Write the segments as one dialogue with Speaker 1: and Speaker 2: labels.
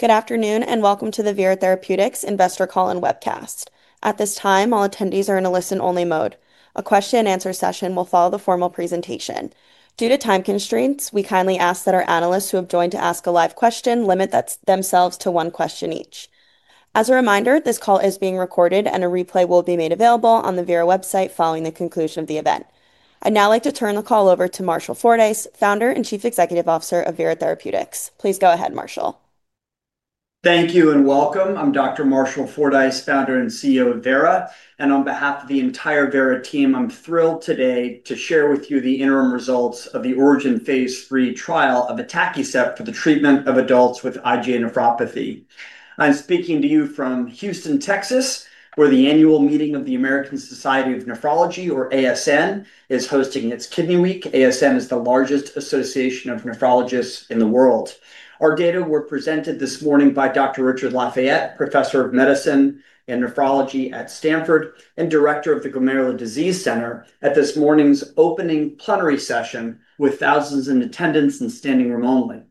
Speaker 1: Good afternoon and welcome to the Vera Therapeutics Investor Call and Webcast. At this time, all attendees are in a listen-only mode. A question-and-answer session will follow the formal presentation. Due to time constraints, we kindly ask that our analysts who have joined to ask a live question limit themselves to one question each. As a reminder, this call is being recorded, and a replay will be made available on the Vera website following the conclusion of the event. I'd now like to turn the call over to Marshall Fordyce, Founder and Chief Executive Officer of Vera Therapeutics. Please go ahead, Marshall.
Speaker 2: Thank you and welcome. I'm Dr. Marshall Fordyce, Founder and CEO of Vera, and on behalf of the entire Vera team, I'm thrilled today to share with you the interim results of the Phase III trial of atacicept for the treatment of adults with IgA nephropathy. I'm speaking to you from Houston, Texas, where the annual meeting of the American Society of Nephrology, or ASN, is hosting its Kidney Week. ASN is the largest association of nephrologists in the world. Our data were presented this morning by Dr. Richard Lafayette, Professor of Medicine and Nephrology at Stanford and Director of the Glomerular Disease Center, at this morning's opening plenary session with thousands in attendance and standing room only.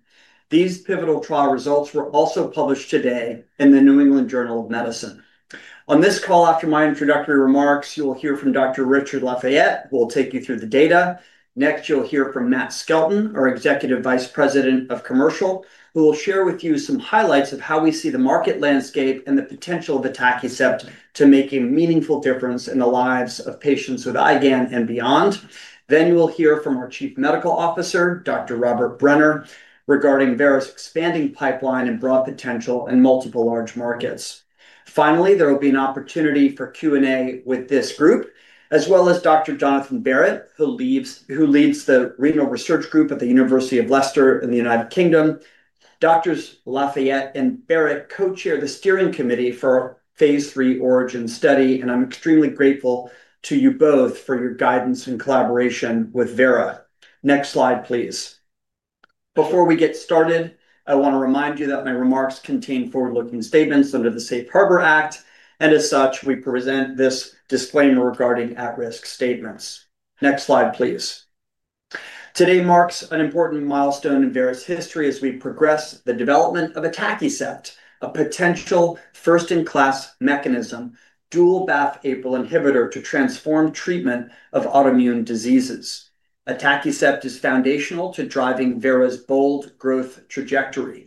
Speaker 2: These pivotal trial results were also published today in the New England Journal of Medicine. On this call, after my introductory remarks, you will hear from Dr.Richard Lafayette, who will take you through the data. Next, you'll hear from Matt Skelton, our Executive Vice President of Commercial, who will share with you some highlights of how we see the market landscape and the potential of atacicept to make a meaningful difference in the lives of patients with IgA and beyond. Then you will hear from our Chief Medical Officer, Dr. Robert Brenner, regarding Vera's expanding pipeline and broad potential in multiple large markets. Finally, there will be an opportunity for Q&A with this group, as well as Dr. Jonathan Barratt, who leads the Renal Research Group at the University of Leicester in the United Kingdom. Dr. Lafayette and Barratt co-chair the steering committee for Phase III origin study, and I'm extremely grateful to you both for your guidance and collaboration with Vera. Next slide, please. Before we get started, I want to remind you that my remarks contain forward-looking statements under the Safe Harbor Act, and as such, we present this disclaimer regarding at-risk statements. Next slide, please. Today marks an important milestone in Vera's history as we progress the development of atacicept, a potential first-in-class mechanism, dual-BAFF APRIL inhibitor to transform treatment of autoimmune diseases. Atacicept is foundational to driving Vera's bold growth trajectory.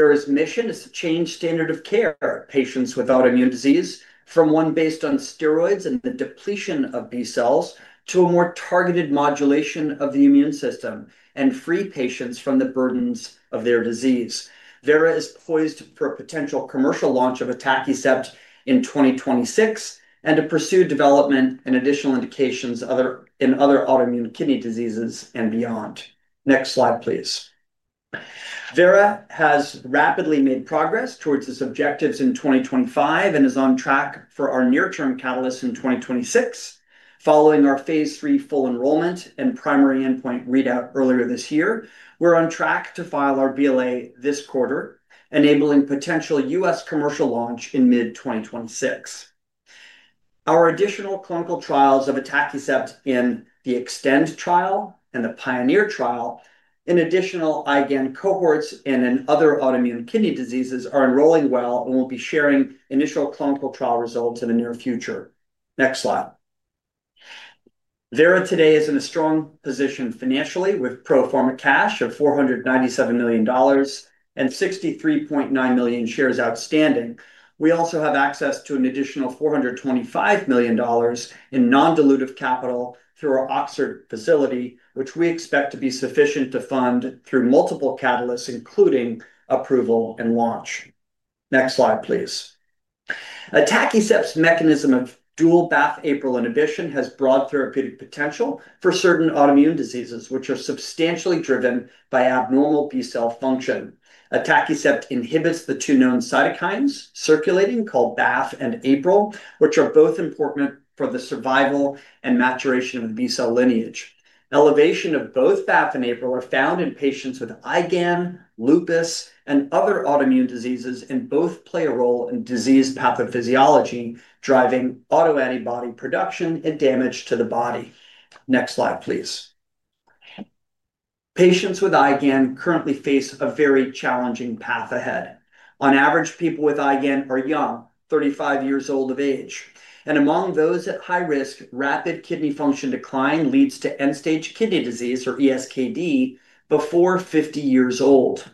Speaker 2: Vera's mission is to change the standard of care of patients with autoimmune disease from one based on steroids and the depletion of B cells to a more targeted modulation of the immune system and free patients from the burdens of their disease. Vera is poised for a potential commercial launch of atacicept in 2026 and to pursue development and additional indications in other autoimmune kidney diseases and beyond. Next slide, please. Vera has rapidly made progress towards its objectives in 2025 and is on track for our near-term catalyst in 2026. Following Phase III full enrollment and primary endpoint readout earlier this year, we're on track to file our BLA this quarter, enabling potential U.S. commercial launch in mid-2026. Our additional clinical trials of atacicept in the EXTEND trial and the PIONEER trial, in additional IgA cohorts and in other autoimmune kidney diseases, are enrolling well and will be sharing initial clinical trial results in the near future. Next slide. Vera today is in a strong position financially with pro forma cash of $497 million and 63.9 million shares outstanding. We also have access to an additional $425 million in non-dilutive capital through our Oxford facility, which we expect to be sufficient to fund through multiple catalysts, including approval and launch. Next slide, please. Atacicept's mechanism of dual-BAFF APRIL inhibition has broad therapeutic potential for certain autoimmune diseases, which are substantially driven by abnormal B cell function. Atacicept inhibits the two known cytokines circulating called BAFF and APRIL, which are both important for the survival and maturation of the B cell lineage. Elevation of both BAFF and APRIL are found in patients with IgA and lupus and other autoimmune diseases, and both play a role in disease pathophysiology, driving autoantibody production and damage to the body. Next slide, please. Patients with IgA currently face a very challenging path ahead. On average, people with IgA are young, 35 years old of age, and among those at high risk, rapid kidney function decline leads to end-stage kidney disease, or ESKD, before 50 years old.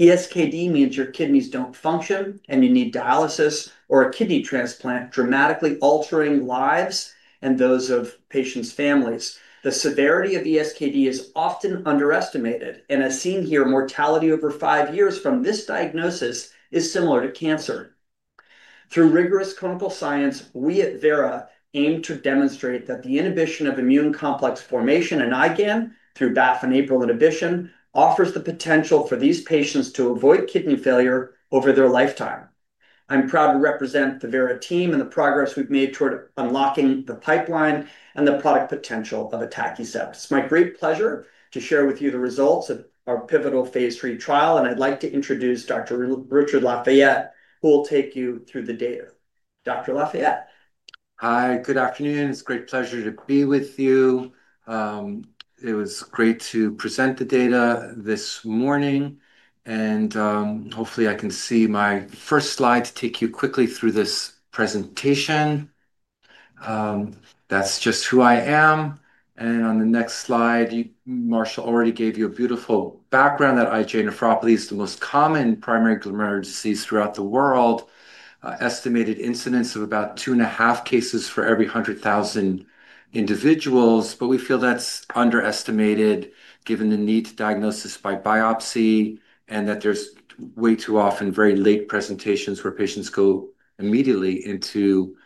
Speaker 2: ESKD means your kidneys don't function, and you need dialysis or a kidney transplant, dramatically altering lives and those of patients' families. The severity of ESKD is often underestimated, and as seen here, mortality over five years from this diagnosis is similar to cancer. Through rigorous clinical science, we at Vera aim to demonstrate that the inhibition of immune complex formation in IgA through BAFF and APRIL inhibition offers the potential for these patients to avoid kidney failure over their lifetime. I'm proud to represent the Vera team and the progress we've made toward unlocking the pipeline and the product potential of atacicept. It's my great pleasure to share with you the results of our Phase III trial, and I'd like to introduce Dr. Richard Lafayette, who will take you through the data. Dr. Lafayette.
Speaker 3: Hi, good afternoon. It's a great pleasure to be with you. It was great to present the data this morning, and hopefully I can see my first slide to take you quickly through this presentation. That's just who I am. On the next slide, Marshall already gave you a beautiful background that IgA nephropathy is the most common primary glomerular disease throughout the world. Estimated incidence of about two and a half cases for every 100,000 individuals, but we feel that's underestimated given the need to diagnose by biopsy and that there's way too often very late presentations where patients go immediately into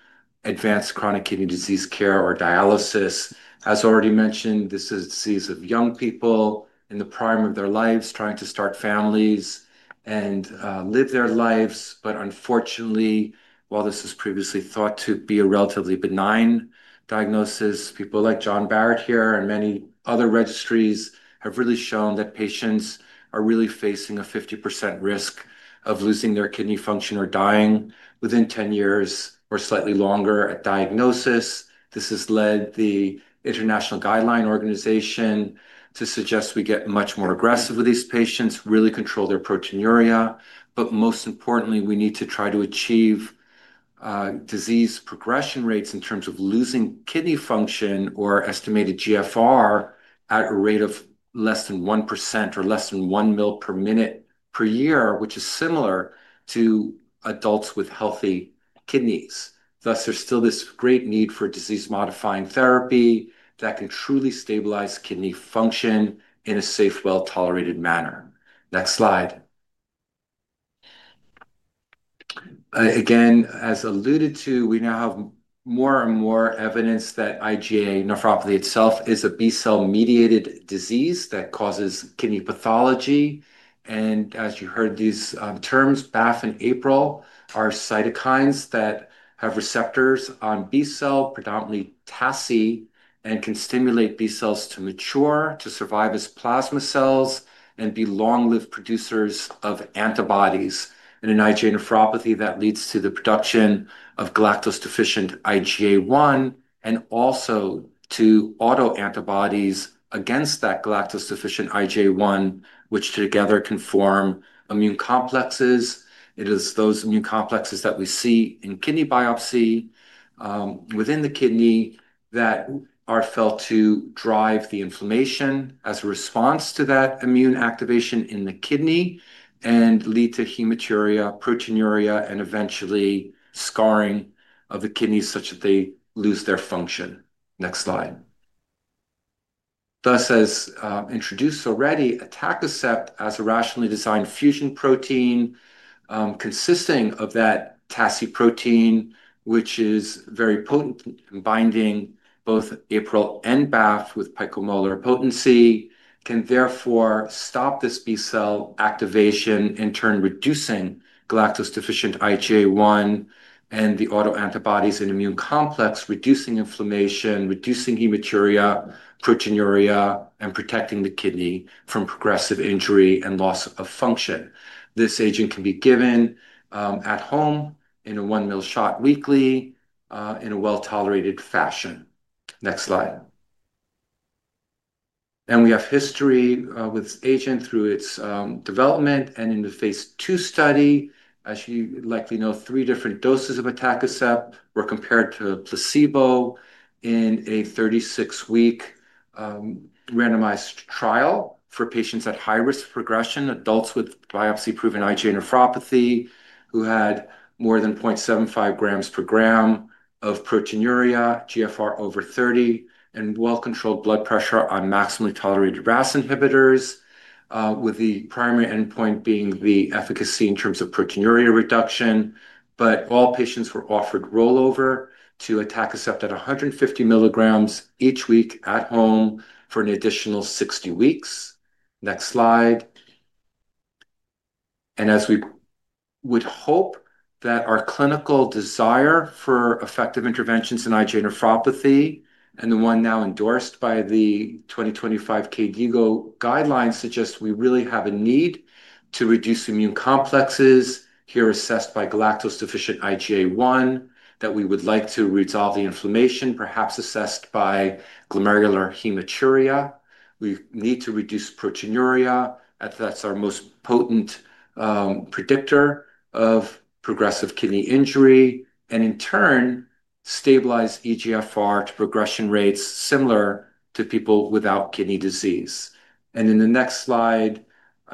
Speaker 3: advanced chronic kidney disease care or dialysis. As already mentioned, this is a disease of young people in the prime of their lives, trying to start families and live their lives. Unfortunately, while this was previously thought to be a relatively benign diagnosis, people like Jonathan Barratt here and many other registries have really shown that patients are really facing a 50% risk of losing their kidney function or dying within 10 years or slightly longer at diagnosis. This has led the International Guideline Organization to suggest we get much more aggressive with these patients, really control their proteinuria, but most importantly, we need to try to achieve disease progression rates in terms of losing kidney function or estimated GFR at a rate of less than 1% or less than 1 mL per minute per year, which is similar to adults with healthy kidneys. Thus, there is still this great need for disease-modifying therapy that can truly stabilize kidney function in a safe, well-tolerated manner. Next slide. Again, as alluded to, we now have more and more evidence that IgA nephropathy itself is a B cell-mediated disease that causes kidney pathology. As you heard, these terms, BAFF and APRIL, are cytokines that have receptors on B cell, predominantly TACI, and can stimulate B cells to mature, to survive as plasma cells, and be long-lived producers of antibodies in an IgA nephropathy that leads to the production of galactose-deficient IgA1 and also to autoantibodies against that galactose-deficient IgA1, which together can form immune complexes. It is those immune complexes that we see in kidney biopsy within the kidney that are felt to drive the inflammation as a response to that immune activation in the kidney and lead to hematuria, proteinuria, and eventually scarring of the kidney such that they lose their function. Next slide. Thus, as introduced already, atacicept as a rationally designed fusion protein. Consisting of that TACI protein, which is very potent in binding both APRIL and BAFF with picomolar potency, can therefore stop this B cell activation and turn reducing galactose-deficient IgA1 and the autoantibodies and immune complex, reducing inflammation, reducing hematuria, proteinuria, and protecting the kidney from progressive injury and loss of function. This agent can be given at home in a 1 mL shot weekly in a well-tolerated fashion. Next slide. We have history with this agent through its development and in the Phase II study. As you likely know, three different doses of atacicept were compared to placebo in a 36-week randomized trial for patients at high-risk progression, adults with biopsy-proven IgA nephropathy who had more than 0.75 g per gram of proteinuria, GFR over 30, and well-controlled blood pressure on maximally tolerated RAS inhibitors. With the primary endpoint being the efficacy in terms of proteinuria reduction, all patients were offered rollover to atacicept at 150 mg each week at home for an additional 60 weeks. Next slide. As we would hope, our clinical desire for effective interventions in IgA nephropathy and the one now endorsed by the 2025 KDIGO guidelines suggests we really have a need to reduce immune complexes here assessed by galactose-deficient IgA1, that we would like to resolve the inflammation, perhaps assessed by glomerular hematuria. We need to reduce proteinuria as that's our most potent predictor of progressive kidney injury and, in turn, stabilize eGFR to progression rates similar to people without kidney disease. In the next slide,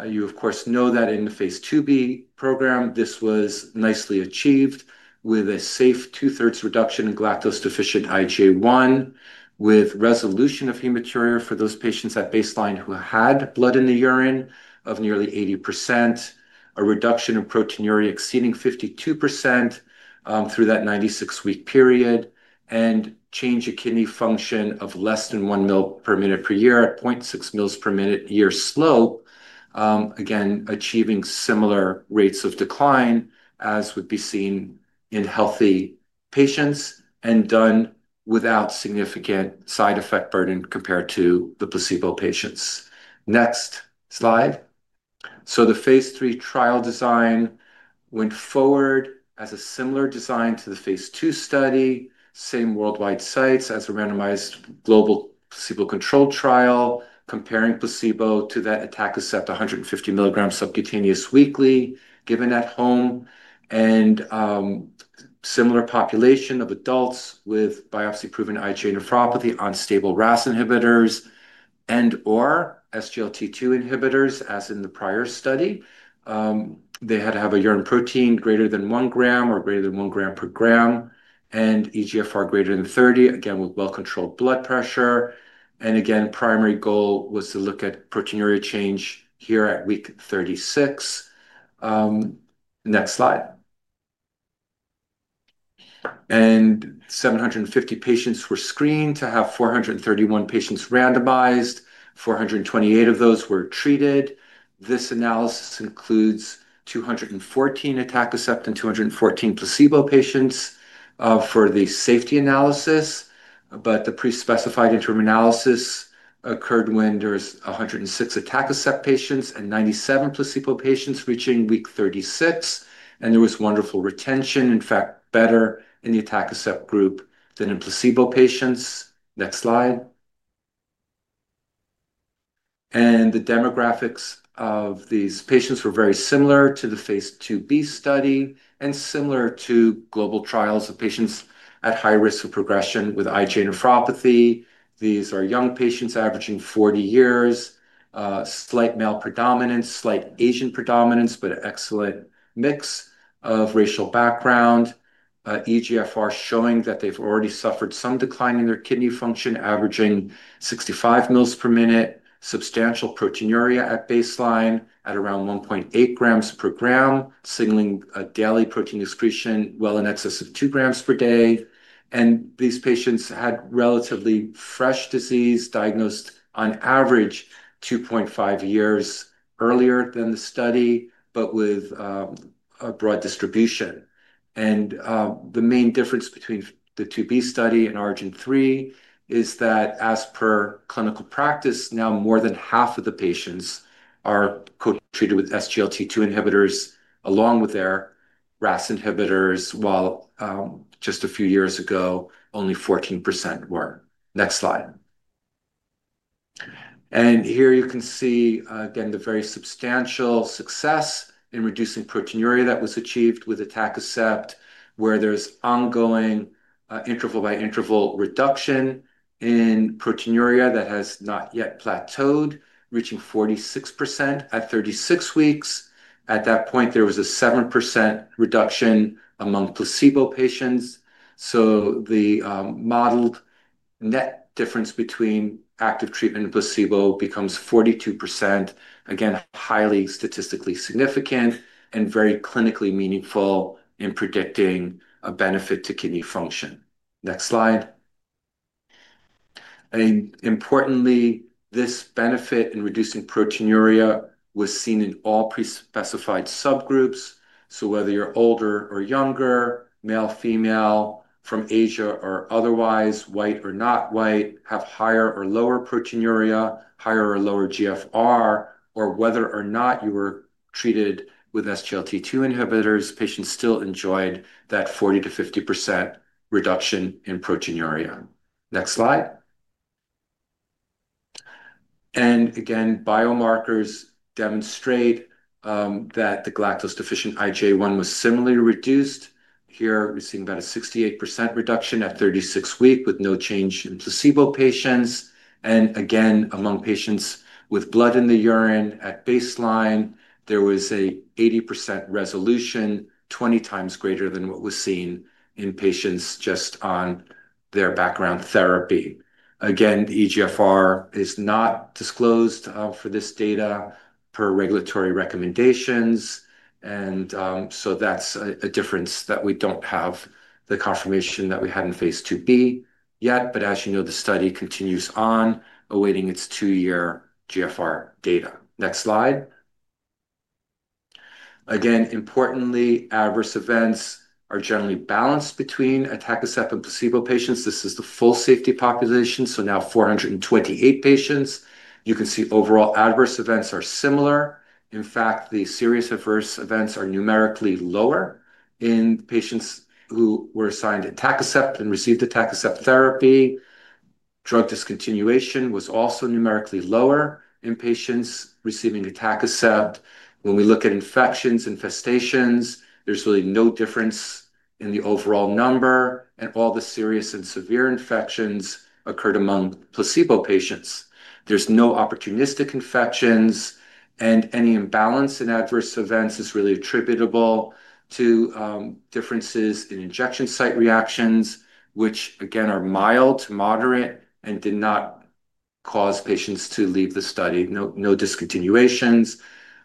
Speaker 3: you of course know that in Phase IIb program, this was nicely achieved with a safe 2/3 reduction in galactose-deficient IgA1 with resolution of hematuria for those patients at baseline who had blood in the urine of nearly 80%. A reduction in proteinuria exceeding 52% through that 96-week period. And change of kidney function of less than 1 mL per minute per year at 0.6 mL per minute per year slope, again achieving similar rates of decline as would be seen in healthy patients and done without significant side effect burden compared to the placebo patients. Next slide. Phase III trial design went forward as a similar design to the Phase II study, same worldwide sites as a randomized global placebo-controlled trial, comparing placebo to that atacicept 150 mg subcutaneous weekly given at home and. Similar population of adults with biopsy-proven IgA nephropathy on stable RAS inhibitors and/or SGLT2 inhibitors as in the prior study. They had to have a urine protein greater than 1 gram or greater than 1 gram per gram and eGFR greater than 30, again with well-controlled blood pressure. The primary goal was to look at proteinuria change here at week 36. Next slide. 750 patients were screened to have 431 patients randomized. 428 of those were treated. This analysis includes 214 atacicept and 214 placebo patients for the safety analysis, but the pre-specified interim analysis occurred when there were 106 atacicept patients and 97 placebo patients reaching week 36, and there was wonderful retention, in fact better in the atacicept group than in placebo patients. Next slide. The demographics of these patients were very similar to Phase IIb study and similar to global trials of patients at high risk of progression with IgA nephropathy. These are young patients averaging 40 years, slight male predominance, slight Asian predominance, but excellent mix of racial background. eGFR showing that they've already suffered some decline in their kidney function, averaging 65 mL per minute, substantial proteinuria at baseline at around 1.8 g per gram, signaling a daily protein excretion well in excess of 2 g per day. These patients had relatively fresh disease diagnosed on average 2.5 years earlier than the study, but with a broad distribution. The main difference between the IIB study and ORIGIN III is that as per clinical practice, now more than half of the patients are co-treated with SGLT2 inhibitors along with their RAS inhibitors, while. Just a few years ago only 14% were. Next slide. Here you can see again the very substantial success in reducing proteinuria that was achieved with atacicept, where there is ongoing interval-by-interval reduction in proteinuria that has not yet plateaued, reaching 46% at 36 weeks. At that point, there was a 7% reduction among placebo patients. The modeled net difference between active treatment and placebo becomes 42%, again highly statistically significant and very clinically meaningful in predicting a benefit to kidney function. Next slide. Importantly, this benefit in reducing proteinuria was seen in all pre-specified subgroups. Whether you are older or younger, male, female, from Asia or otherwise, white or not white, have higher or lower proteinuria, higher or lower GFR, or whether or not you were treated with SGLT2 inhibitors, patients still enjoyed that 40%-50% reduction in proteinuria. Next slide. Again, biomarkers demonstrate that the galactose-deficient IgA1 was similarly reduced. Here we're seeing about a 68% reduction at 36 weeks with no change in placebo patients. Again, among patients with blood in the urine at baseline, there was an 80% resolution, 20x greater than what was seen in patients just on their background therapy. The eGFR is not disclosed for this data per regulatory recommendations. That's a difference that we don't have the confirmation that we had Phase IIb yet, but as you know, the study continues on awaiting its two-year GFR data. Next slide. Importantly, adverse events are generally balanced between atacicept and placebo patients. This is the full safety population. Now 428 patients, you can see overall adverse events are similar. In fact, the serious adverse events are numerically lower in patients who were assigned atacicept and received atacicept therapy. Drug discontinuation was also numerically lower in patients receiving atacicept. When we look at infections, infestations, there's really no difference in the overall number, and all the serious and severe infections occurred among placebo patients. There's no opportunistic infections, and any imbalance in adverse events is really attributable to differences in injection site reactions, which again are mild to moderate and did not cause patients to leave the study. No discontinuations.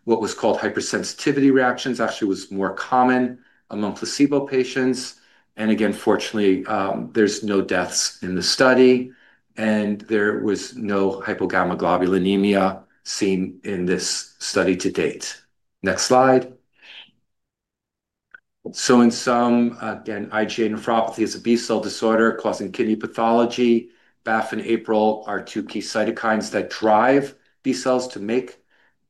Speaker 3: What was called hypersensitivity reactions actually was more common among placebo patients. Again, fortunately, there's no deaths in the study, and there was no hypogammaglobulinemia seen in this study to date. Next slide. In sum, again, IgA nephropathy is a B cell disorder causing kidney pathology. BAFF and APRIL are two key cytokines that drive B cells to make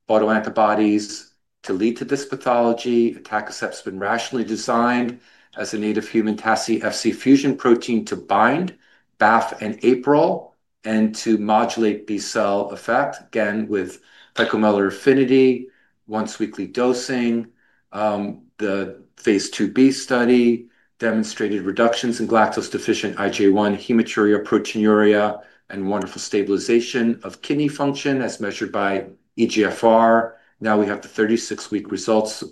Speaker 3: autoantibodies to lead to this pathology. Atacicept's been rationally designed as a native human TACI-Fc fusion protein to bind BAFF and APRIL and to modulate B cell effect, again with picomolar affinity, once-weekly dosing. Phase IIb study demonstrated reductions in galactose-deficient IgA1, hematuria, proteinuria, and wonderful stabilization of kidney function as measured by eGFR. Now we have the 36-week results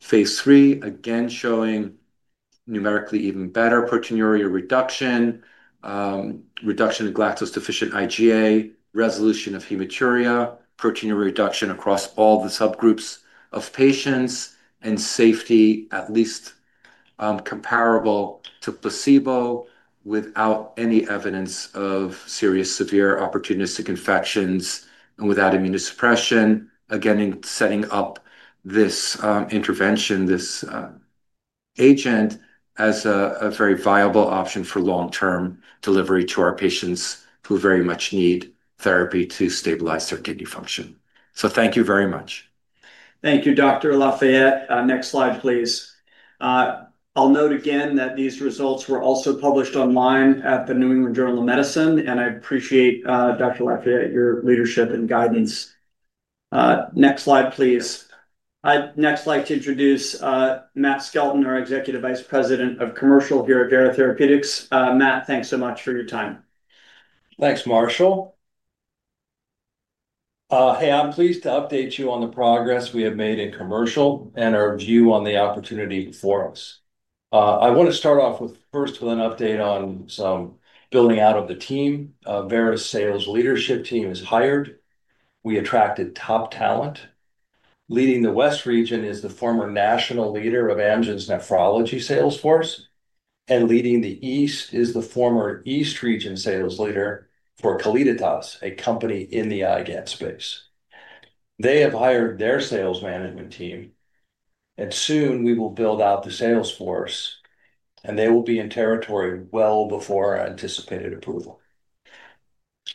Speaker 3: Phase III, again showing numerically even better proteinuria reduction. Reduction in galactose-deficient IgA, resolution of hematuria, proteinuria reduction across all the subgroups of patients, and safety at least comparable to placebo without any evidence of serious severe opportunistic infections and without immunosuppression. Again, in setting up this intervention, this agent as a very viable option for long-term delivery to our patients who very much need therapy to stabilize their kidney function.
Speaker 2: Thank you very much. Thank you, Dr. Lafayette. Next slide, please. I'll note again that these results were also published online at the New England Journal of Medicine, and I appreciate Dr. Lafayette, your leadership and guidance. Next slide, please. I'd next like to introduce Matt Skelton, our Executive Vice President of Commercial here at Vera Therapeutics. Matt, thanks so much for your time.
Speaker 4: Thanks, Marshall. Hey, I'm pleased to update you on the progress we have made in Commercial and our view on the opportunity before us. I want to start off first with an update on some building out of the team. Vera's sales leadership team is hired. We attracted top talent. Leading the West region is the former national leader of Amgen's nephrology sales force, and leading the East is the former East region sales leader for Calliditas, a company in the IgA space. They have hired their sales management team, and soon we will build out the sales force, and they will be in territory well before our anticipated approval.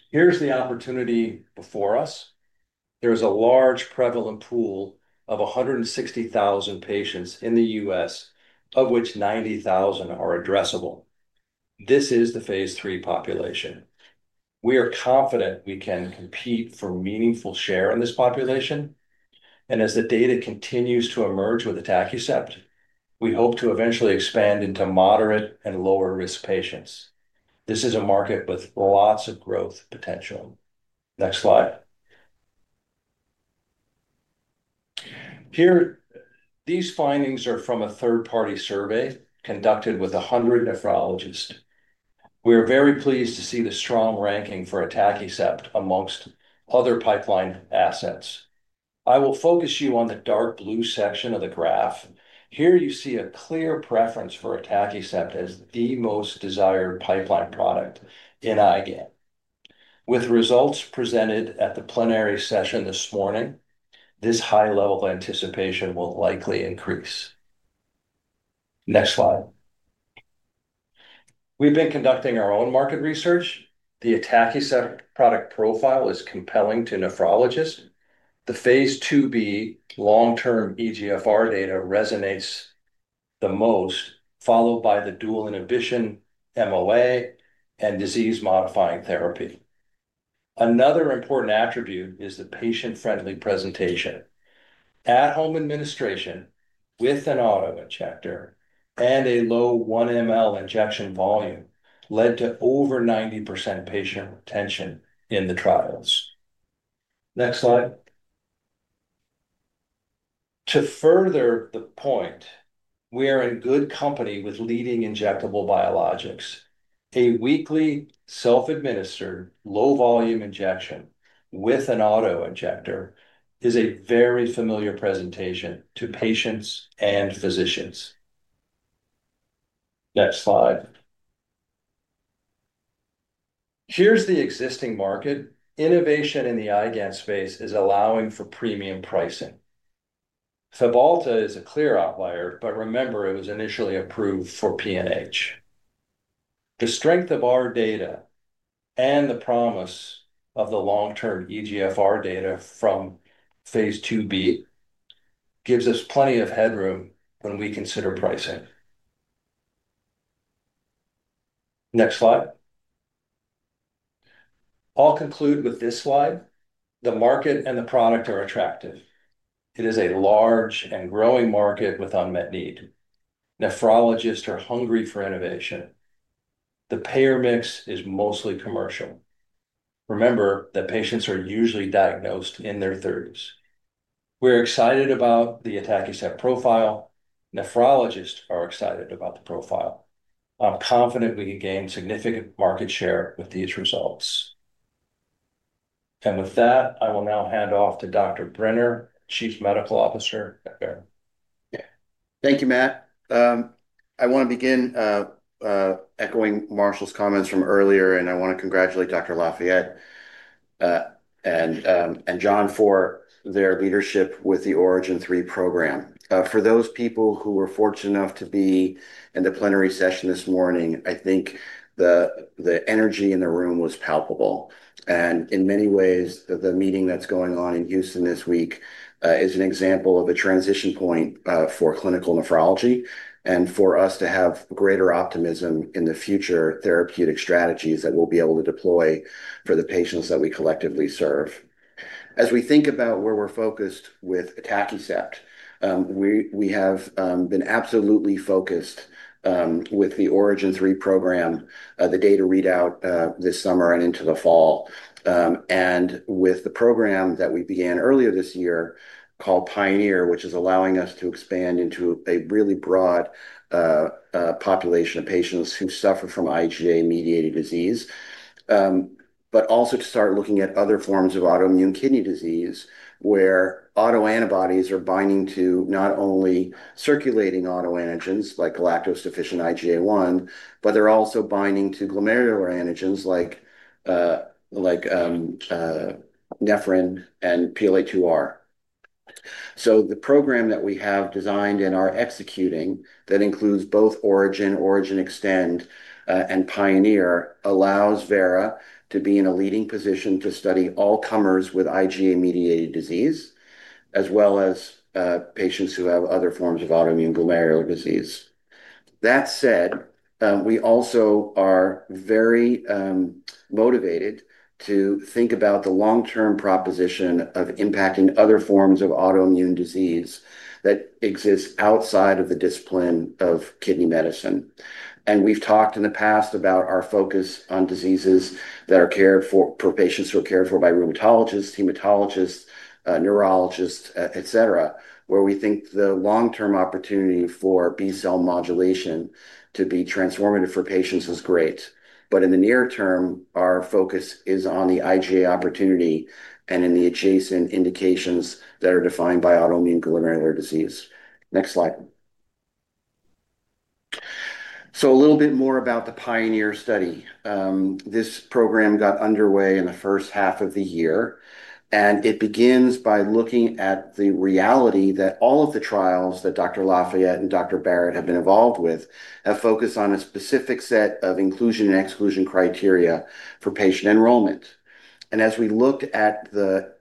Speaker 4: Here is the opportunity before us. There is a large prevalent pool of 160,000 patients in the U.S., of which 90,000 are addressable. This is Phase III population. We are confident we can compete for a meaningful share in this population. As the data continues to emerge with atacicept, we hope to eventually expand into moderate and lower-risk patients. This is a market with lots of growth potential. Next slide. Here, these findings are from a third-party survey conducted with 100 nephrologists. We are very pleased to see the strong ranking for atacicept amongst other pipeline assets. I will focus you on the dark blue section of the graph. Here you see a clear preference for atacicept as the most desired pipeline product in IgA. With results presented at the plenary session this morning, this high-level anticipation will likely increase. Next slide. We've been conducting our own market research. The atacicept product profile is compelling to nephrologists. Phase IIb long-term eGFR data resonates the most, followed by the dual inhibition MOA and disease-modifying therapy. Another important attribute is the patient-friendly presentation. At-home administration with an auto injector and a low 1 mL injection volume led to over 90% patient retention in the trials. Next slide. To further the point. We are in good company with leading injectable biologics. A weekly self-administered low-volume injection with an auto injector is a very familiar presentation to patients and physicians. Next slide. Here's the existing market. Innovation in the IgA space is allowing for premium pricing. Fabhalta is a clear outlier, but remember, it was initially approved for PNH. The strength of our data and the promise of the long-term eGFR data Phase IIb gives us plenty of headroom when we consider pricing. Next slide. I'll conclude with this slide. The market and the product are attractive. It is a large and growing market with unmet need. Nephrologists are hungry for innovation. The payer mix is mostly commercial. Remember that patients are usually diagnosed in their 30s. We're excited about the atacicept profile. Nephrologists are excited about the profile. I'm confident we can gain significant market share with these results. I will now hand off to Dr. Brenner, Chief Medical Officer.
Speaker 5: Thank you, Matt. I want to begin echoing Marshall's comments from earlier, and I want to congratulate Dr. Lafayette and Jonathan for their leadership with Phase III program. For those people who were fortunate enough to be in the plenary session this morning, I think the energy in the room was palpable. In many ways, the meeting that's going on in Houston this week is an example of a transition point for clinical nephrology and for us to have greater optimism in the future therapeutic strategies that we'll be able to deploy for the patients that we collectively serve. As we think about where we're focused with atacicept, we have been absolutely focused. With Phase III program, the data readout this summer and into the fall. With the program that we began earlier this year called PIONEER, which is allowing us to expand into a really broad. Population of patients who suffer from IgA-mediated disease, but also to start looking at other forms of autoimmune kidney disease where autoantibodies are binding to not only circulating autoantigens like galactose-deficient IgA1, but they're also binding to glomerular antigens like nephrin and PLA2R. The program that we have designed and are executing that includes both ORIGIN, ORIGIN Extend, and PIONEER allows Vera to be in a leading position to study all comers with IgA-mediated disease, as well as patients who have other forms of autoimmune glomerular disease. That said, we also are very motivated to think about the long-term proposition of impacting other forms of autoimmune disease that exist outside of the discipline of kidney medicine. We have talked in the past about our focus on diseases that are cared for for patients who are cared for by rheumatologists, hematologists, neurologists, etc., where we think the long-term opportunity for B cell modulation to be transformative for patients is great. In the near term, our focus is on the IgA opportunity and in the adjacent indications that are defined by autoimmune glomerular disease. Next slide. A little bit more about the PIONEER study. This program got underway in the first half of the year, and it begins by looking at the reality that all of the trials that Dr. Lafayette and Dr. Barratt have been involved with have focused on a specific set of inclusion and exclusion criteria for patient enrollment. As we looked at the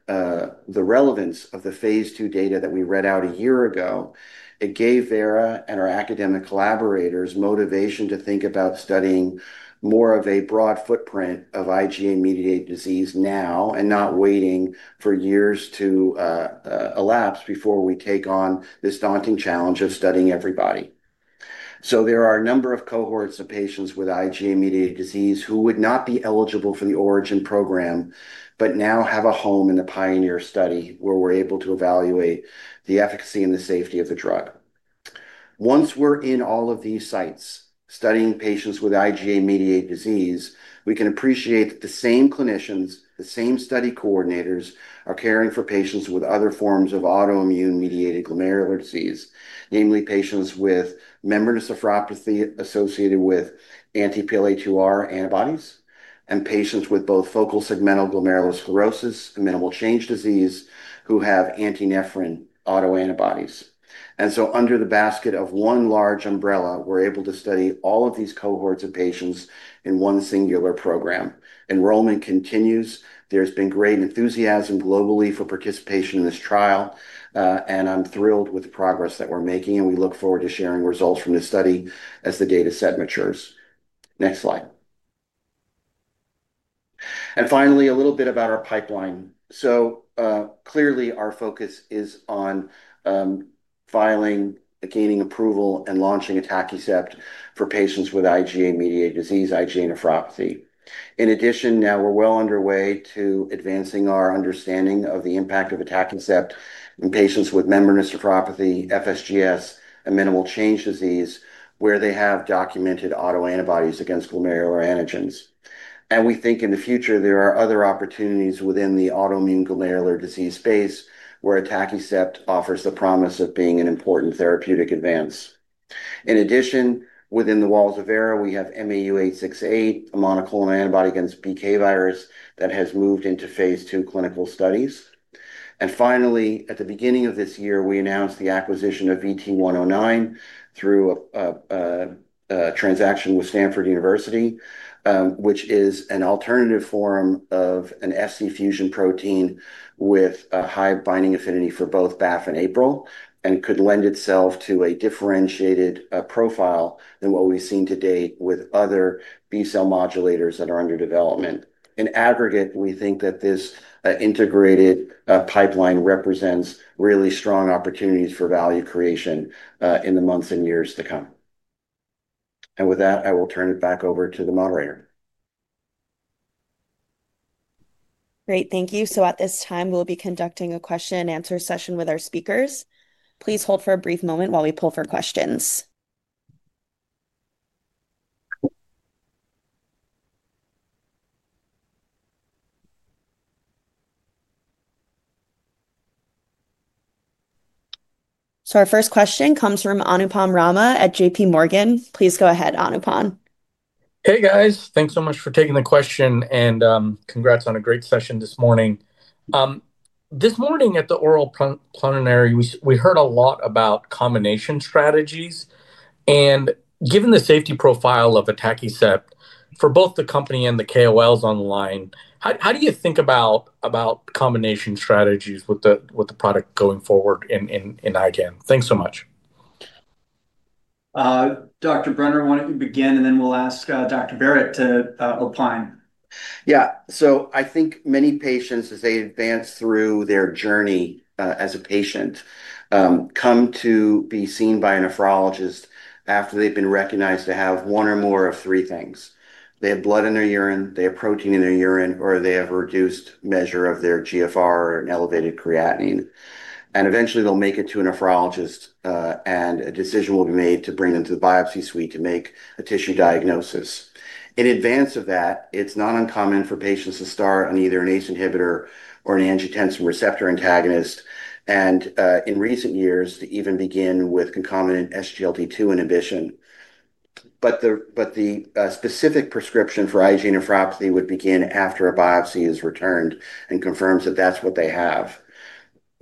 Speaker 5: relevance of the Phase II data that we read out a year ago, it gave Vera and our academic collaborators motivation to think about studying more of a broad footprint of IgA-mediated disease now and not waiting for years to elapse before we take on this daunting challenge of studying everybody. There are a number of cohorts of patients with IgA-mediated disease who would not be eligible for the ORIGIN program, but now have a home in the PIONEER study where we're able to evaluate the efficacy and the safety of the drug. Once we're in all of these sites studying patients with IgA-mediated disease, we can appreciate that the same clinicians, the same study coordinators, are caring for patients with other forms of autoimmune-mediated glomerular disease, namely patients with membranous nephropathy associated with anti-PLA2R antibodies and patients with both focal segmental glomerulosclerosis and minimal change disease who have antinephrin autoantibodies. Under the basket of one large umbrella, we're able to study all of these cohorts of patients in one singular program. Enrollment continues. There's been great enthusiasm globally for participation in this trial, and I'm thrilled with the progress that we're making, and we look forward to sharing results from this study as the data set matures. Next slide. Finally, a little bit about our pipeline. Clearly, our focus is on filing, gaining approval, and launching atacicept for patients with IgA-mediated disease, IgA nephropathy. In addition, now we're well underway to advancing our understanding of the impact of atacicept in patients with membranous nephropathy, FSGS, and minimal change disease where they have documented autoantibodies against glomerular antigens. We think in the future, there are other opportunities within the autoimmune glomerular disease space where atacicept offers the promise of being an important therapeutic advance. In addition, within the walls of Vera, we have MAU868, a monoclonal antibody against BK virus that has moved into Phase II clinical studies. Finally, at the beginning of this year, we announced the acquisition of VT109 through a transaction with Stanford University, which is an alternative form of an Fc fusion protein with a high binding affinity for both BAFF and APRIL, and could lend itself to a differentiated profile than what we've seen to date with other B cell modulators that are under development. In aggregate, we think that this integrated pipeline represents really strong opportunities for value creation in the months and years to come. With that, I will turn it back over to the moderator.
Speaker 1: Great, thank you. At this time, we'll be conducting a question-and-answer session with our speakers. Please hold for a brief moment while we pull for questions. Our first question comes from Anupam Rama at JPMorgan. Please go ahead, Anupam.
Speaker 6: Hey, guys. Thanks so much for taking the question, and congrats on a great session this morning. This morning at the oral plenary, we heard a lot about combination strategies. Given the safety profile of atacicept for both the company and the KOLs on the line, how do you think about combination strategies with the product going forward in IgA? Thanks so much.
Speaker 2: Dr. Brenner, why don't you begin, and then we'll ask Dr. Barrett to opine.
Speaker 5: Yeah. I think many patients, as they advance through their journey as a patient, come to be seen by a nephrologist after they've been recognized to have one or more of three things. They have blood in their urine, they have protein in their urine, or they have a reduced measure of their GFR or an elevated creatinine. Eventually, they'll make it to a nephrologist, and a decision will be made to bring them to the biopsy suite to make a tissue diagnosis. In advance of that, it's not uncommon for patients to start on either an ACE inhibitor or an angiotensin receptor antagonist, and in recent years, to even begin with concomitant SGLT2 inhibition. The specific prescription for IgA nephropathy would begin after a biopsy is returned and confirms that that's what they have.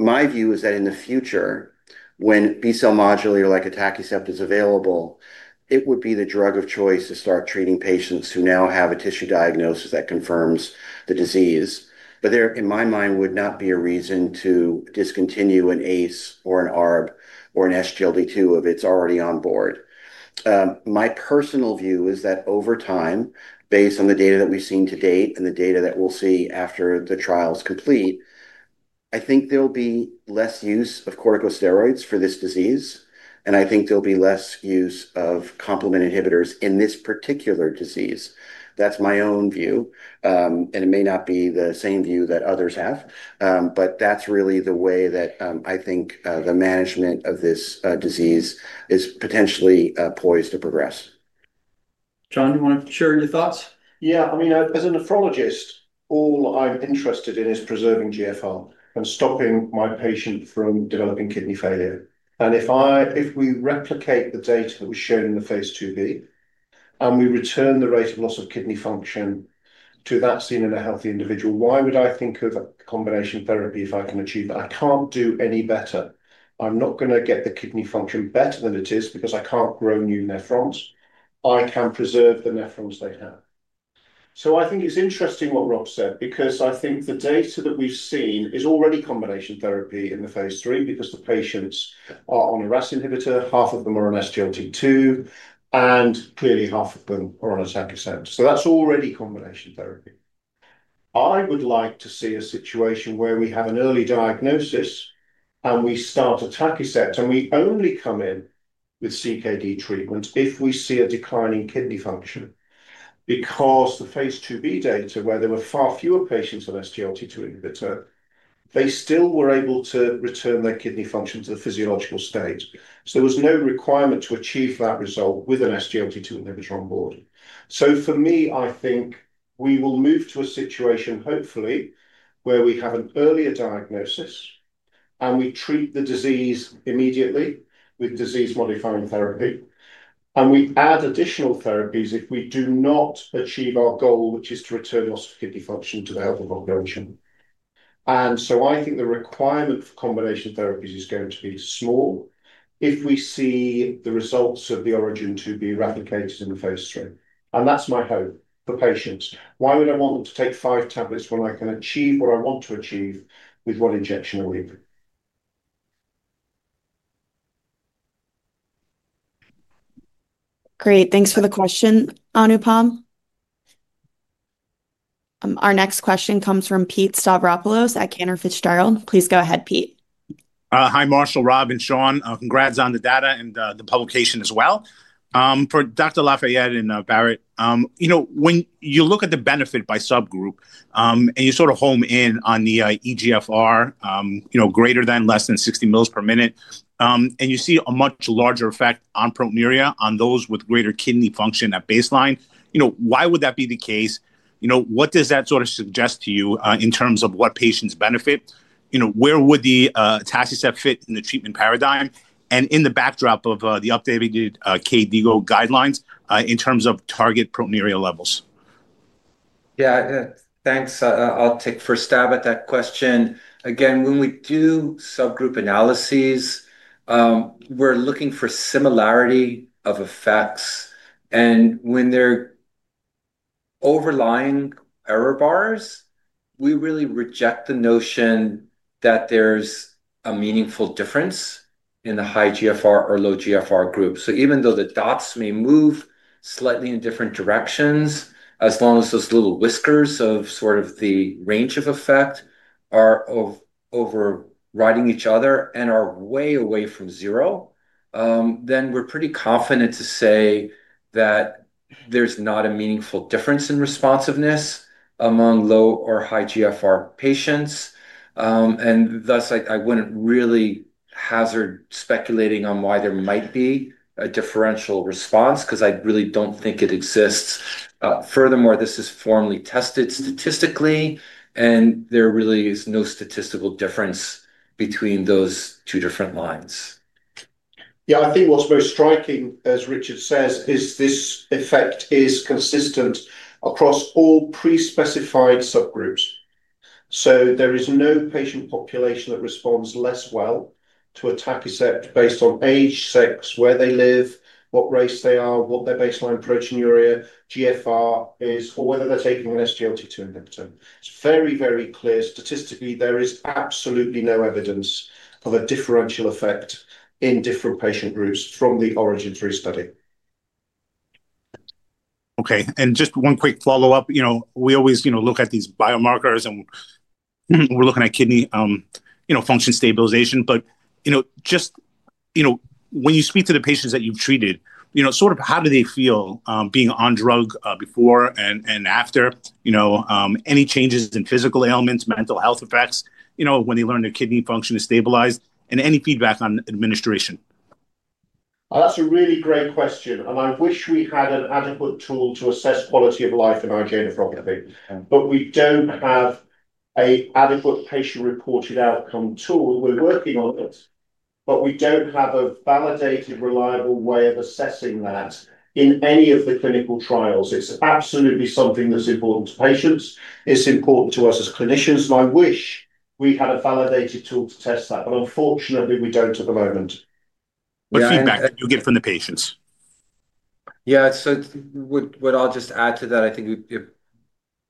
Speaker 5: My view is that in the future, when a B cell modulator like atacicept is available, it would be the drug of choice to start treating patients who now have a tissue diagnosis that confirms the disease. There, in my mind, would not be a reason to discontinue an ACE or an ARB or an SGLT2 if it's already on board. My personal view is that over time, based on the data that we've seen to date and the data that we'll see after the trial is complete, I think there'll be less use of corticosteroids for this disease, and I think there'll be less use of complement inhibitors in this particular disease. That's my own view. It may not be the same view that others have, but that's really the way that I think the management of this disease is potentially poised to progress.
Speaker 2: Jon, do you want to share your thoughts?
Speaker 7: Yeah. I mean, as a nephrologist, all I'm interested in is preserving GFR and stopping my patient from developing kidney failure. If we replicate the data that was shown in Phase IIb and we return the rate of loss of kidney function to that seen in a healthy individual, why would I think of a combination therapy if I can achieve that? I can't do any better. I'm not going to get the kidney function better than it is because I can't grow new nephrons. I can preserve the nephrons they have. I think it's interesting what Rob said because I think the data that we've seen is already combination therapy in Phase III because the patients are on a RAS inhibitor, half of them are on SGLT2, and clearly half of them are on atacicept. That's already combination therapy. I would like to see a situation where we have an early diagnosis and we start atacicept, and we only come in with CKD treatment if we see a declining kidney function. Because Phase IIb data, where there were far fewer patients on SGLT2 inhibitor, they still were able to return their kidney function to the physiological state. There was no requirement to achieve that result with an SGLT2 inhibitor on board. For me, I think we will move to a situation, hopefully, where we have an earlier diagnosis and we treat the disease immediately with disease-modifying therapy, and we add additional therapies if we do not achieve our goal, which is to return loss of kidney function to the health of our patient. I think the requirement for combination therapies is going to be small if we see the results of the ORIGIN IIB replicated in Phase III. that's my hope for patients. Why would I want them to take five tablets when I can achieve what I want to achieve with one injection a week?
Speaker 1: Great. Thanks for the question, Anupam. Our next question comes from Pete Stavropoulos at Cantor Fitzgerald. Please go ahead, Pete.
Speaker 8: Hi, Marshall, Rob, and Sean. Congrats on the data and the publication as well. For Dr. Lafayette and Barratt, when you look at the benefit by subgroup and you sort of home in on the eGFR, greater than less than 60 mL per minute, and you see a much larger effect on proteinuria on those with greater kidney function at baseline, why would that be the case? What does that sort of suggest to you in terms of what patients benefit? Where would the atacicept fit in the treatment paradigm and in the backdrop of the updated KDIGO guidelines in terms of target proteinuria levels? Yeah.
Speaker 3: Thanks, I'll take first stab at that question. Again, when we do subgroup analyses, we're looking for similarity of effects. And when they're overlying error bars, we really reject the notion that there's a meaningful difference in the high GFR or low GFR group. Even though the dots may move slightly in different directions, as long as those little whiskers of sort of the range of effect are overriding each other and are way away from zero, we're pretty confident to say that there's not a meaningful difference in responsiveness among low or high GFR patients. Thus, I wouldn't really hazard speculating on why there might be a differential response because I really don't think it exists. Furthermore, this is formally tested statistically, and there really is no statistical difference between those two different lines.
Speaker 7: Yeah. I think what's most striking, as Richard says, is this effect is consistent across all pre-specified subgroups. There is no patient population that responds less well to atacicept based on age, sex, where they live, what race they are, what their baseline proteinuria, GFR is, or whether they're taking an SGLT2 inhibitor. It's very, very clear statistically. There is absolutely no evidence of a differential effect in different patient groups from the Phase III study.
Speaker 8: Okay. Just one quick follow-up. We always look at these biomarkers, and we're looking at kidney function stabilization. When you speak to the patients that you've treated, sort of how do they feel being on drug before and after? Any changes in physical ailments, mental health effects when they learn their kidney function is stabilized, and any feedback on administration?
Speaker 7: That's a really great question. I wish we had an adequate tool to assess quality of life in IgA nephropathy, but we do not have an adequate patient-reported outcome tool. We're working on it, but we do not have a validated, reliable way of assessing that in any of the clinical trials. It's absolutely something that's important to patients. It's important to us as clinicians. I wish we had a validated tool to test that, but unfortunately, we do not at the moment.
Speaker 8: What feedback do you get from the patients?
Speaker 2: Yeah. What I will just add to that, I think it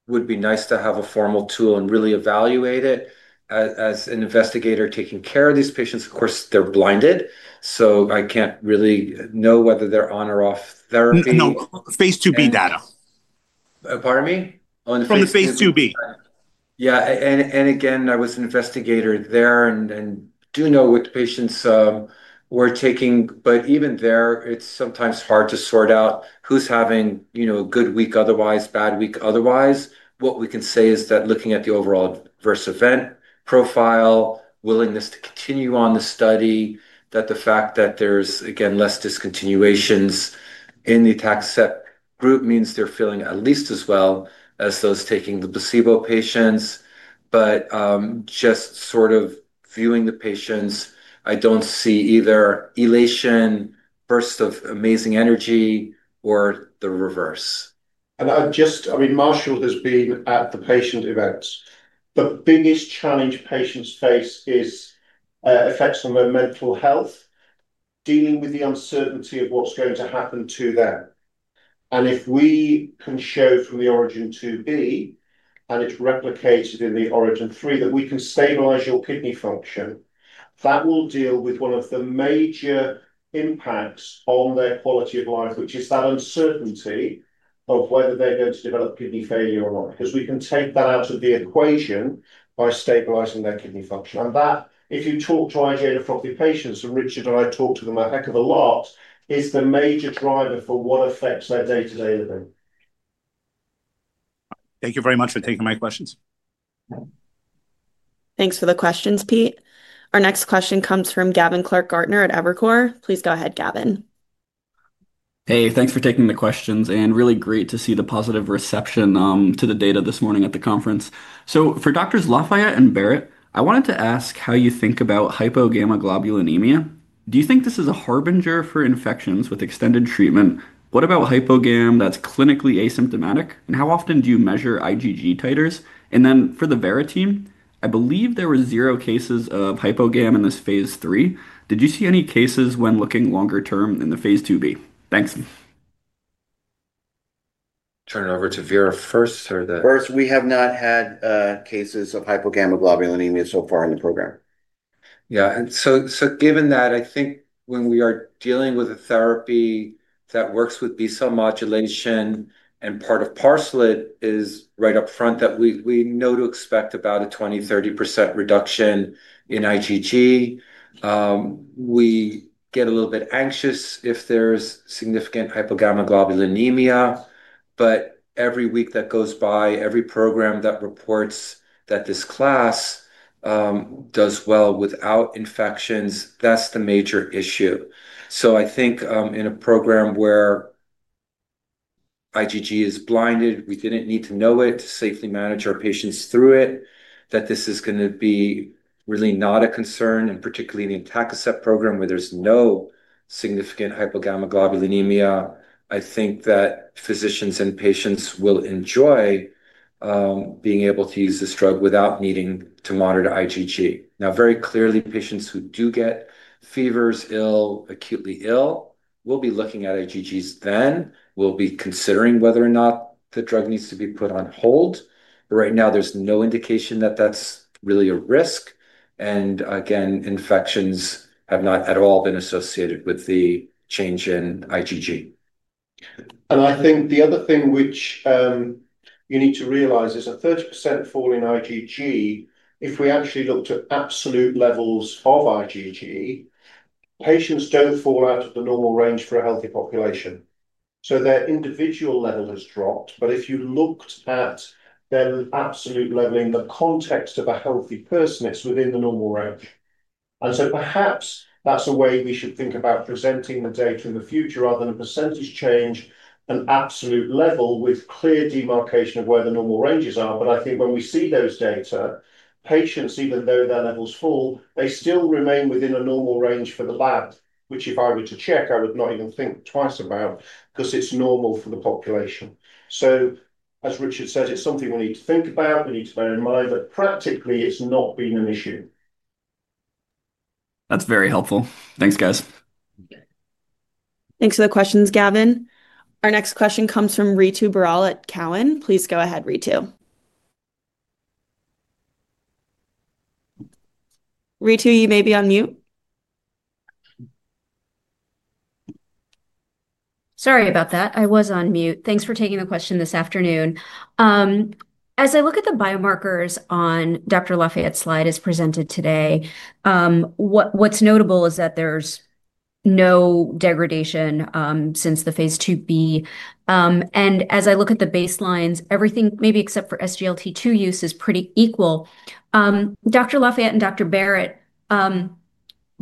Speaker 2: would be nice to have a formal tool and really evaluate it. As an investigator taking care of these patients, of course, they are blinded, so I can't really know whether they are on or off therapy.
Speaker 8: Phase IIb data.
Speaker 2: Pardon me?
Speaker 8: On the Phase IIb?
Speaker 2: Yeah. I was an investigator there and do know what the patients were taking. Even there, it is sometimes hard to sort out who is having a good week otherwise, bad week otherwise. What we can say is that looking at the overall adverse event profile, willingness to continue on the study, the fact that there's, again, less discontinuations in the atacicept group means they're feeling at least as well as those taking the placebo patients. Just sort of viewing the patients, I don't see either elation, burst of amazing energy, or the reverse.
Speaker 7: I mean, Marshall has been at the patient events. The biggest challenge patients face is effects on their mental health, dealing with the uncertainty of what's going to happen to them. If we can show from the ORIGIN IIB, and it's replicated in the ORIGIN III, that we can stabilize your kidney function, that will deal with one of the major impacts on their quality of life, which is that uncertainty of whether they're going to develop kidney failure or not. Because we can take that out of the equation by stabilizing their kidney function. And that, if you talk to IgA nephropathy patients, and Richard and I talk to them a heck of a lot, is the major driver for what affects their day-to-day living.
Speaker 8: Thank you very much for taking my questions.
Speaker 1: Thanks for the questions, Pete. Our next question comes from Gavin Clark-Gartner at Evercore. Please go ahead, Gavin.
Speaker 9: Hey, thanks for taking the questions. Really great to see the positive reception to the data this morning at the conference. For doctors Lafayette and Barratt, I wanted to ask how you think about hypogammaglobulinemia. Do you think this is a harbinger for infections with extended treatment? What about hypogam that's clinically asymptomatic? How often do you measure IgG titers? For the Vera team, I believe there were zero cases of hypogam in Phase III. did you see any cases when looking longer term in Phase IIb? Thanks
Speaker 3: Turn it over to Vera first.
Speaker 2: First, we have not had cases of hypogammaglobulinemia so far in the program.
Speaker 3: Yeah. And given that, I think when we are dealing with a therapy that works with B cell modulation and part of parse, it is right up front that we know to expect about a 20%-30% reduction in IgG. We get a little bit anxious if there is significant hypogammaglobulinemia. Every week that goes by, every program that reports that this class does well without infections, that is the major issue. I think in a program where IgG is blinded, we didn't need to know it to safely manage our patients through it, that this is going to be really not a concern. Particularly in the atacicept program, where there's no significant hypogammaglobulinemia, I think that physicians and patients will enjoy being able to use this drug without needing to monitor IgG. Now, very clearly, patients who do get fevers, ill, acutely ill, will be looking at IgGs then. We'll be considering whether or not the drug needs to be put on hold. Right now, there's no indication that that's really a risk. Infections have not at all been associated with the change in IgG.
Speaker 7: I think the other thing which you need to realize is a 30% fall in IgG, if we actually looked at absolute levels of IgG. Patients don't fall out of the normal range for a healthy population. Their individual level has dropped. If you looked at their absolute level in the context of a healthy person, it is within the normal range. Perhaps that is a way we should think about presenting the data in the future rather than a percentage change, an absolute level with clear demarcation of where the normal ranges are. I think when we see those data, patients, even though their levels fall, they still remain within a normal range for the lab, which if I were to check, I would not even think twice about because it is normal for the population. As Richard said, it is something we need to think about. We need to bear in mind that practically it has not been an issue.
Speaker 9: That is very helpful. Thanks, guys.
Speaker 1: Thanks for the questions, Gavin. Our next question comes from Ritu Baral at Cowen. Please go ahead, Ritu. Ritu, you may be on mute.
Speaker 10: Sorry about that. I was on mute. Thanks for taking the question this afternoon. As I look at the biomarkers on Dr. Lafayette's slide as presented today. What's notable is that there's no degradation since Phase IIb. and as I look at the baselines, everything, maybe except for SGLT2 use, is pretty equal. Dr. Lafayette and Dr. Barratt,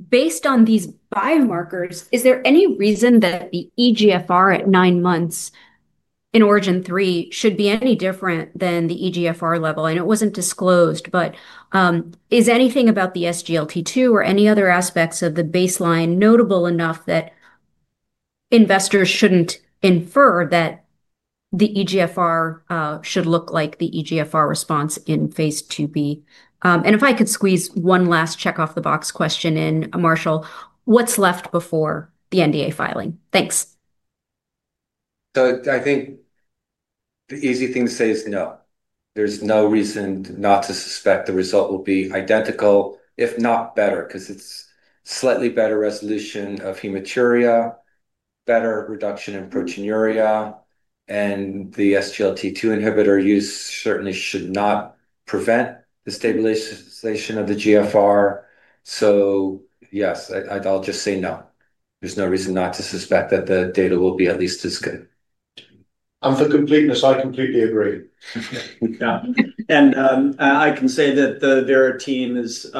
Speaker 10: based on these biomarkers, is there any reason that the eGFR at nine months in ORIGIN III should be any different than the eGFR level? And it wasn't disclosed, but. Is anything about the SGLT2 or any other aspects of the baseline notable enough that. Investors shouldn't infer that the eGFR should look like the eGFR response Phase IIb? if I could squeeze one last check-off-the-box question in, Marshall, what's left before the NDA filing? Thanks.
Speaker 3: I think. The easy thing to say is no. There's no reason not to suspect the result will be identical, if not better, because it's slightly better resolution of hematuria, better reduction in proteinuria, and the SGLT2 inhibitor use certainly should not prevent the stabilization of the GFR. Yes, I'll just say no. There's no reason not to suspect that the data will be at least as good.
Speaker 7: For completeness, I completely agree. Yeah.
Speaker 2: I can say that the Vera team is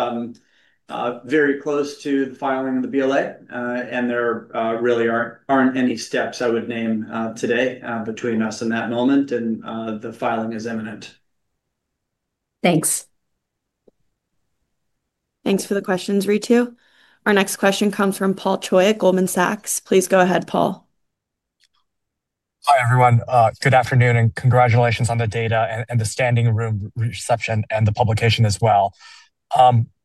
Speaker 2: very close to the filing of the BLA, and there really aren't any steps I would name today between us and that moment, and the filing is imminent.
Speaker 10: Thanks.
Speaker 1: Thanks for the questions, Ritu. Our next question comes from Paul Choi at Goldman Sachs. Please go ahead, Paul.
Speaker 11: Hi, everyone. Good afternoon and congratulations on the data and the standing room reception and the publication as well.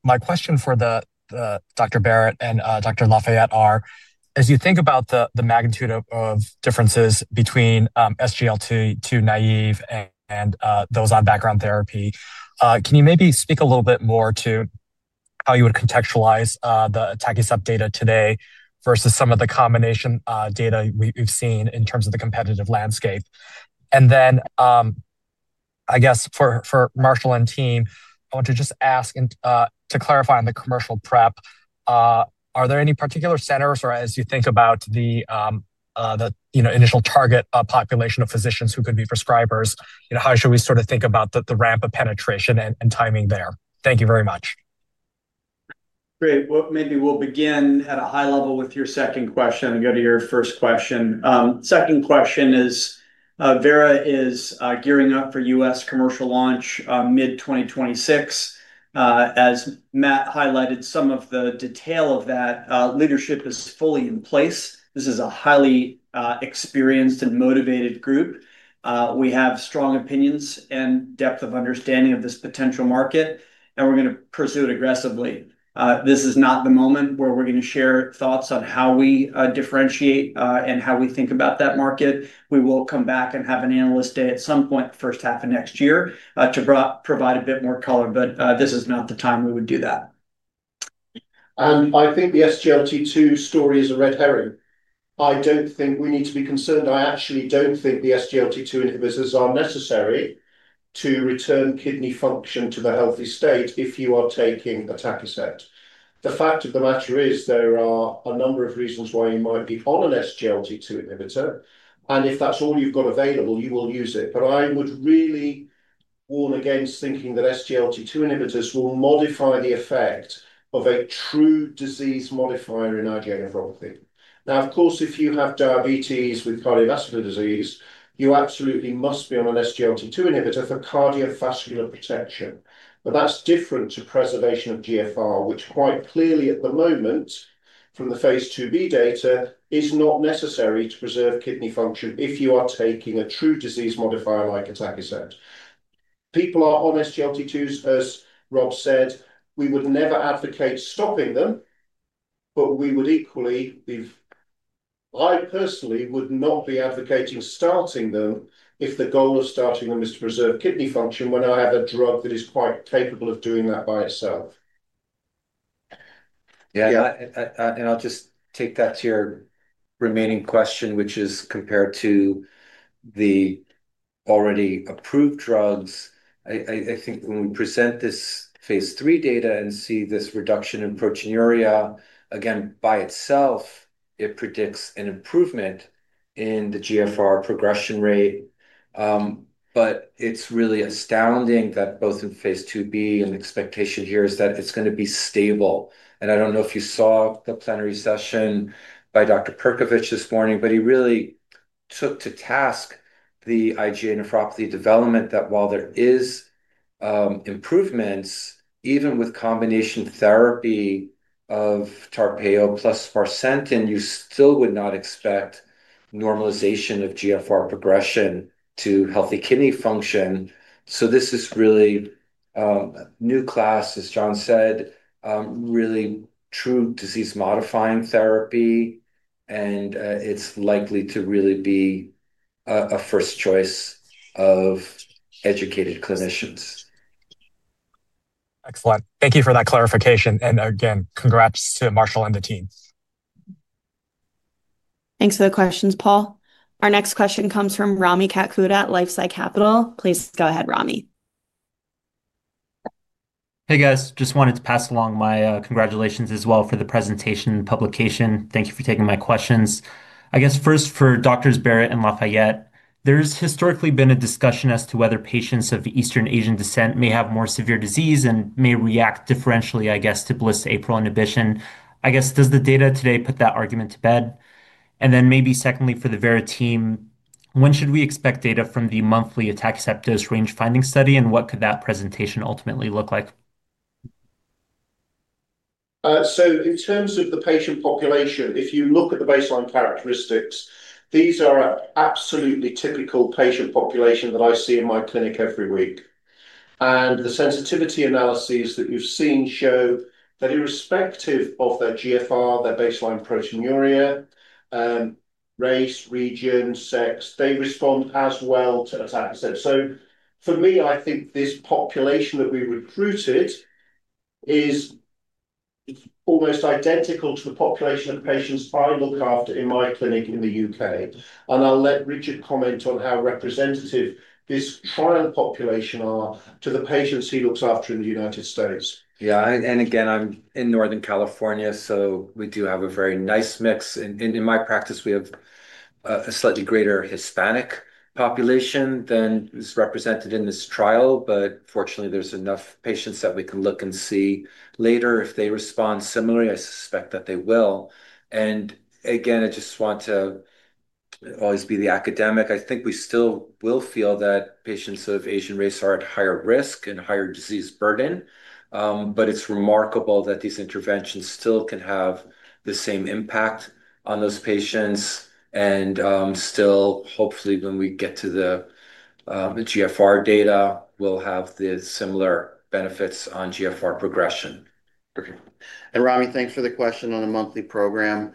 Speaker 11: My question for Dr. Barratt and Dr. Lafayette are, as you think about the magnitude of differences between SGLT2 naive and those on background therapy, can you maybe speak a little bit more to how you would contextualize the atacicept data today versus some of the combination data we've seen in terms of the competitive landscape? I guess for Marshall and team, I want to just ask and to clarify on the commercial prep. Are there any particular centers or as you think about the initial target population of physicians who could be prescribers, how should we sort of think about the ramp of penetration and timing there? Thank you very much.
Speaker 2: Great. Maybe we'll begin at a high level with your second question and go to your first question. Second question is, Vera is gearing up for U.S. commercial launch mid-2026. As Matt highlighted, some of the detail of that leadership is fully in place. This is a highly experienced and motivated group. We have strong opinions and depth of understanding of this potential market, and we're going to pursue it aggressively. This is not the moment where we're going to share thoughts on how we differentiate and how we think about that market. We will come back and have an analyst day at some point the first half of next year to provide a bit more color, but this is not the time we would do that.
Speaker 7: I think the SGLT2 story is a red herring. I don't think we need to be concerned. I actually don't think the SGLT2 inhibitors are necessary to return kidney function to the healthy state if you are taking atacicept. The fact of the matter is there are a number of reasons why you might be on an SGLT2 inhibitor. If that's all you've got available, you will use it. I would really warn against thinking that SGLT2 inhibitors will modify the effect of a true disease modifier in IgA nephropathy. Now, of course, if you have diabetes with cardiovascular disease, you absolutely must be on an SGLT2 inhibitor for cardiovascular protection. That's different to preservation of GFR, which quite clearly at the moment, from Phase IIb data, is not necessary to preserve kidney function if you are taking a true disease modifier like atacicept. People are on SGLT2s, as Rob said. We would never advocate stopping them, but we would equally be. I personally would not be advocating starting them if the goal of starting them is to preserve kidney function when I have a drug that is quite capable of doing that by itself.
Speaker 3: Yeah. I'll just take that to your remaining question, which is compared to the already approved drugs. I think when we present Phase III data and see this reduction in proteinuria, again, by itself, it predicts an improvement in the GFR progression rate. It's really astounding that both Phase IIb, and the expectation here is that it's going to be stable. I don't know if you saw the plenary session by Dr. Perkovich this morning, but he really took to task the IgA nephropathy development that while there is improvement, even with combination therapy of Tarpeyo plus sparsentan, you still would not expect normalization of GFR progression to healthy kidney function. This is really a new class, as John said, really true disease-modifying therapy, and it's likely to really be a first choice of educated clinicians.
Speaker 11: Excellent. Thank you for that clarification. Again, congrats to Marshall and the team.
Speaker 1: Thanks for the questions, Paul. Our next question comes from Rami Katkhuda at LifeSci Capital. Please go ahead, Rami.
Speaker 12: Hey, guys. Just wanted to pass along my congratulations as well for the presentation and publication. Thank you for taking my questions. I guess first, for doctors Barratt and Lafayette, there's historically been a discussion as to whether patients of Eastern Asian descent may have more severe disease and may react differentially, I guess, to BLyS APRIL inhibition. I guess, does the data today put that argument to bed? Then maybe secondly, for the Vera team, when should we expect data from the monthly atacicept dose range finding study, and what could that presentation ultimately look like?
Speaker 7: In terms of the patient population, if you look at the baseline characteristics, these are absolutely typical patient population that I see in my clinic every week. The sensitivity analyses that you've seen show that irrespective of their eGFR, their baseline proteinuria, race, region, sex, they respond as well to atacicept. For me, I think this population that we recruited is almost identical to the population of patients I look after in my clinic in the U.K. I'll let Richard comment on how representative this trial population are to the patients he looks after in the United States.
Speaker 3: Yeah. Again, I'm in Northern California, so we do have a very nice mix. In my practice, we have a slightly greater Hispanic population than is represented in this trial, but fortunately, there's enough patients that we can look and see later if they respond similarly. I suspect that they will. I just want to always be the academic. I think we still will feel that patients of Asian race are at higher risk and higher disease burden, but it's remarkable that these interventions still can have the same impact on those patients. Still, hopefully, when we get to the GFR data, we'll have the similar benefits on GFR progression.
Speaker 5: Okay. Rami, thanks for the question on the monthly program.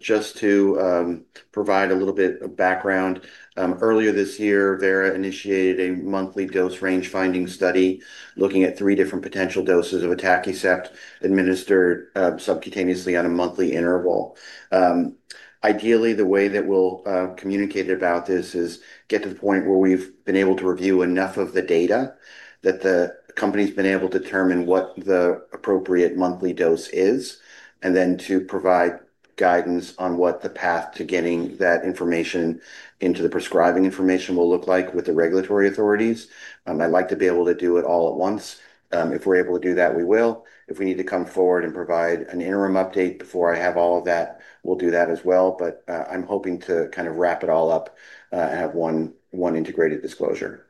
Speaker 5: Just to provide a little bit of background, earlier this year, Vera initiated a monthly dose range finding study looking at three different potential doses of atacicept administered subcutaneously on a monthly interval. Ideally, the way that we'll communicate about this is get to the point where we've been able to review enough of the data that the company's been able to determine what the appropriate monthly dose is, and then to provide guidance on what the path to getting that information into the prescribing information will look like with the regulatory authorities. I'd like to be able to do it all at once. If we're able to do that, we will. If we need to come forward and provide an interim update before I have all of that, we'll do that as well. I'm hoping to kind of wrap it all up and have one integrated disclosure.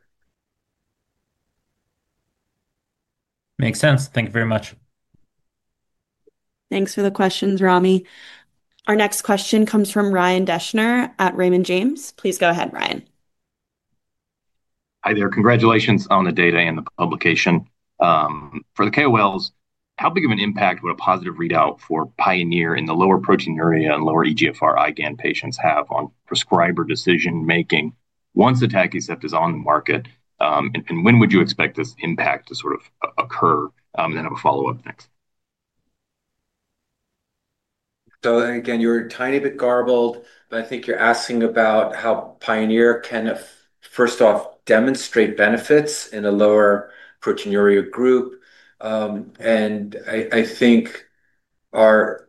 Speaker 12: Makes sense. Thank you very much.
Speaker 1: Thanks for the questions, Rami. Our next question comes from Ryan Deschner at Raymond James. Please go ahead, Ryan.
Speaker 13: Hi there. Congratulations on the data and the publication. For the KOLs, how big of an impact would a positive readout for PIONEER in the lower proteinuria and lower eGFR IgA nephropathy patients have on prescriber decision-making once atacicept is on the market? When would you expect this impact to sort of occur? I have a follow-up. Thanks.
Speaker 3: You're a tiny bit garbled, but I think you're asking about how PIONEER can, first off, demonstrate benefits in a lower proteinuria group. I think our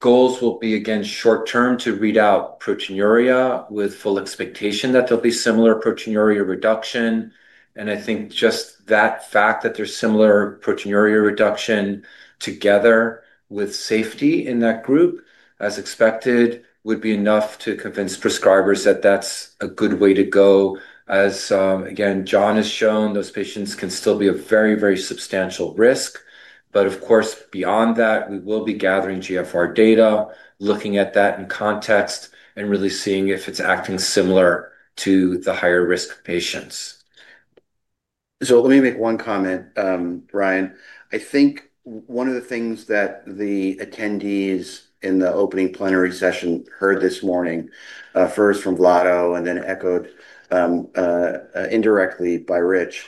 Speaker 3: goals will be, again, short-term to read out proteinuria with full expectation that there will be similar proteinuria reduction. I think just that fact that there's similar proteinuria reduction together with safety in that group, as expected, would be enough to convince prescribers that that's a good way to go. As John has shown, those patients can still be of very, very substantial risk. Of course, beyond that, we will be gathering GFR data, looking at that in context, and really seeing if it's acting similar to the higher-risk patients.
Speaker 5: Let me make one comment, Ryan. I think one of the things that the attendees in the opening plenary session heard this morning, first from Vlado and then echoed indirectly by Rich,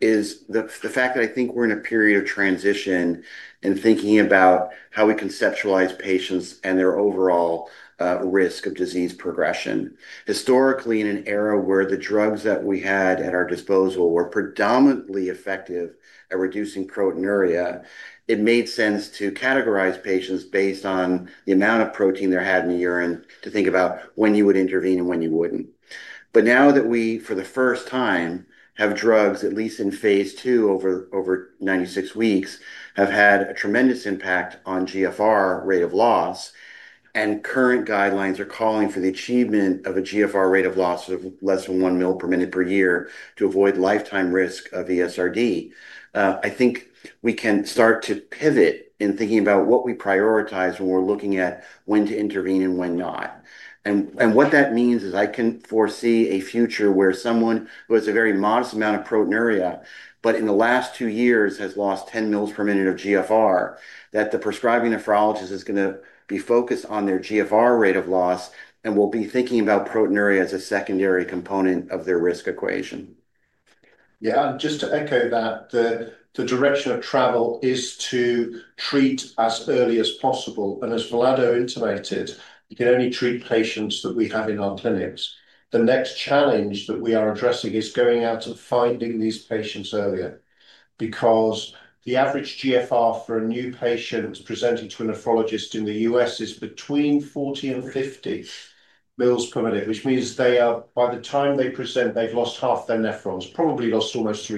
Speaker 5: is the fact that I think we're in a period of transition in thinking about how we conceptualize patients and their overall risk of disease progression. Historically, in an era where the drugs that we had at our disposal were predominantly effective at reducing proteinuria, it made sense to categorize patients based on the amount of protein they had in the urine to think about when you would intervene and when you wouldn't. Now that we, for the first time, have drugs, at least in phase two over 96 weeks, have had a tremendous impact on GFR rate of loss, and current guidelines are calling for the achievement of a GFR rate of loss of less than 1 mL per minute per year to avoid lifetime risk of ESRD, I think we can start to pivot in thinking about what we prioritize when we're looking at when to intervene and when not. What that means is I can foresee a future where someone who has a very modest amount of proteinuria, but in the last two years has lost 10 mL per minute of GFR, that the prescribing nephrologist is going to be focused on their GFR rate of loss and will be thinking about proteinuria as a secondary component of their risk equation.
Speaker 7: Yeah. Just to echo that, the direction of travel is to treat as early as possible. As Vlado intimated, you can only treat patients that we have in our clinics. The next challenge that we are addressing is going out and finding these patients earlier because the average GFR for a new patient presenting to a nephrologist in the U.S. is between 40-50 mL per minute, which means by the time they present, they've lost half their nephrons, probably lost almost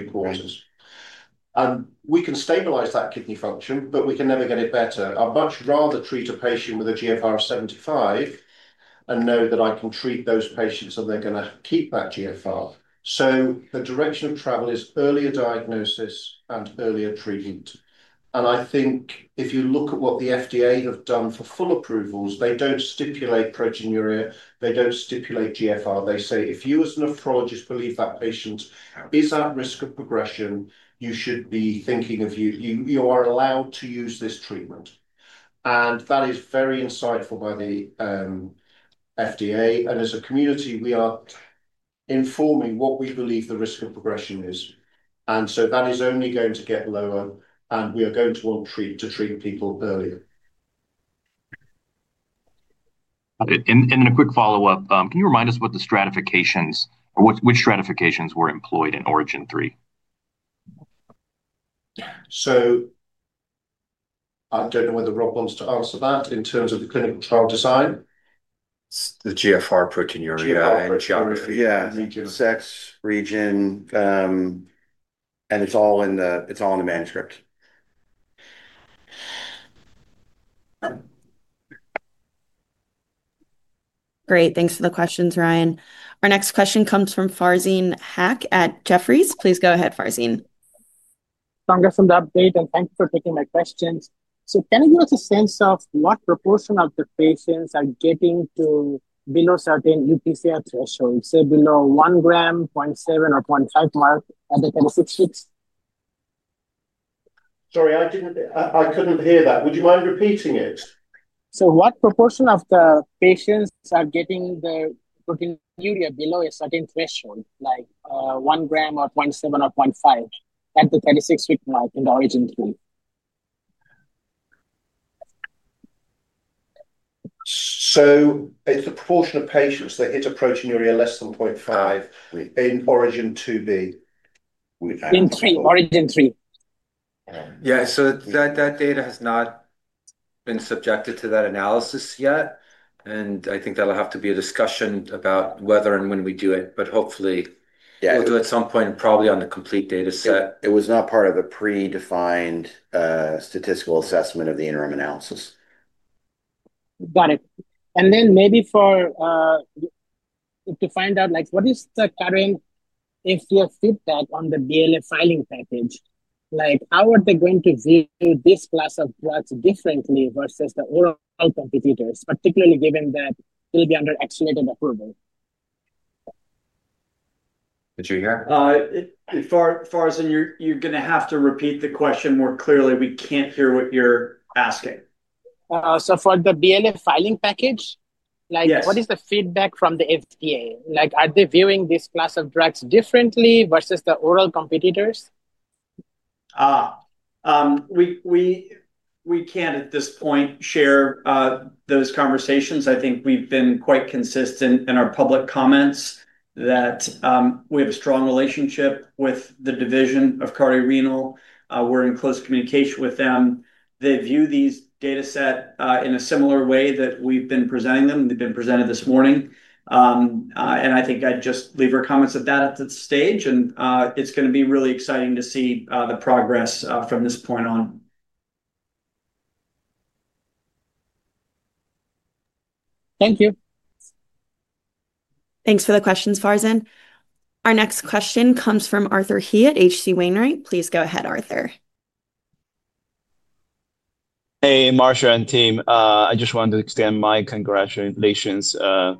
Speaker 7: three-quarters. We can stabilize that kidney function, but we can never get it better. I'd much rather treat a patient with a GFR of 75 and know that I can treat those patients and they're going to keep that GFR. The direction of travel is earlier diagnosis and earlier treatment. I think if you look at what the FDA have done for full approvals, they do not stipulate proteinuria. They do not stipulate GFR. They say, "If you as a nephrologist believe that patient is at risk of progression, you should be thinking of you are allowed to use this treatment." That is very insightful by the FDA. As a community, we are informing what we believe the risk of progression is. That is only going to get lower, and we are going to want to treat people earlier.
Speaker 13: In a quick follow-up, can you remind us what the stratifications or which stratifications were employed in ORIGIN 3?
Speaker 7: I do not know whether Rob wants to answer that in terms of the clinical trial design.
Speaker 5: The GFR, proteinuria. Yeah. Region of sex, region. It is all in the manuscript.
Speaker 1: Great. Thanks for the questions, Ryan. Our next question comes from Farzin Haque at Jefferies. Please go ahead, Farzin.
Speaker 14: Congrats on the update, and thanks for taking my questions. Can you give us a sense of what proportion of the patients are getting to below certain UPCR thresholds, say below 1 gram, 0.7, or 0.5 mark at the 36 weeks?
Speaker 7: Sorry, I could not hear that. Would you mind repeating it?
Speaker 14: What proportion of the patients are getting the proteinuria below a certain threshold, like 1 g or 0.7 g or 0.5 g at the 36-week mark in the ORIGIN 3?
Speaker 7: It is a proportion of patients that hit a proteinuria less than 0.5 g in ORIGIN 2B.
Speaker 14: In 3, ORIGIN 3.
Speaker 2: Yeah. That data has not been subjected to that analysis yet. I think there'll have to be a discussion about whether and when we do it, but hopefully, we'll do it at some point, probably on the complete data set.
Speaker 5: It was not part of the predefined statistical assessment of the interim analysis.
Speaker 14: Got it. Maybe for, to find out, what is the current FDA feedback on the BLA filing package? How are they going to view this class of drugs differently versus the oral competitors, particularly given that it'll be under accelerated approval?
Speaker 5: Did you hear?
Speaker 2: Farzin, you're going to have to repeat the question more clearly. We can't hear what you're asking.
Speaker 14: For the BLA filing package, what is the feedback from the FDA? Are they viewing this class of drugs differently versus the oral competitors?
Speaker 2: We can't, at this point, share those conversations. I think we've been quite consistent in our public comments that. We have a strong relationship with the division of Cardiorenal. We're in close communication with them. They view these data sets in a similar way that we've been presenting them. They've been presented this morning. I think I'd just leave our comments at that at this stage. It's going to be really exciting to see the progress from this point on.
Speaker 14: Thank you.
Speaker 1: Thanks for the questions, Farzin. Our next question comes from Arthur He at H.C. Wainwright. Please go ahead, Arthur.
Speaker 15: Hey, Marshall and team. I just wanted to extend my congratulations. I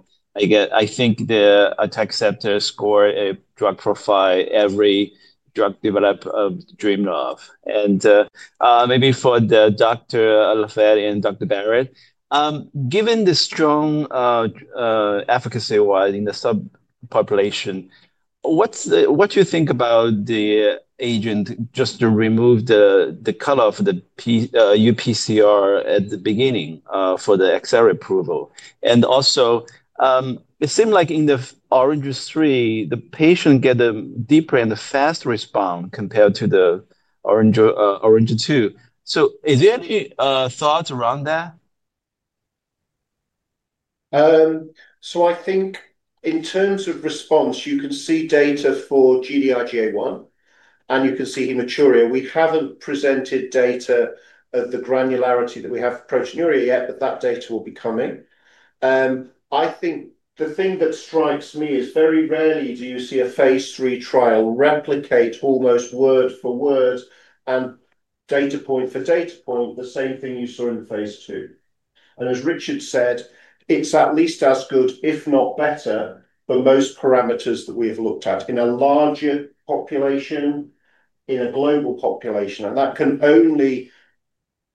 Speaker 15: think the atacicept has scored a drug profile every drug developer dreamed of. Maybe for Dr. Lafayette and Dr. Barratt. Given the strong efficacy in the subpopulation, what do you think about the agent just to remove the color of the UPCR at the beginning for the XR approval? Also It seemed like in the ORIGIN 3, the patient got a deeper and a faster response compared to the ORIGIN 2. Is there any thoughts around that?
Speaker 7: I think in terms of response, you can see data for Gd-IgA1, and you can see hematuria. We have not presented data of the granularity that we have for proteinuria yet, but that data will be coming. I think the thing that strikes me is very rarely do you see a Phase III trial replicate almost word for word and data point for data point the same thing you saw in Phase II. As Richard said, it is at least as good, if not better, for most parameters that we have looked at in a larger population, in a global population. That can only.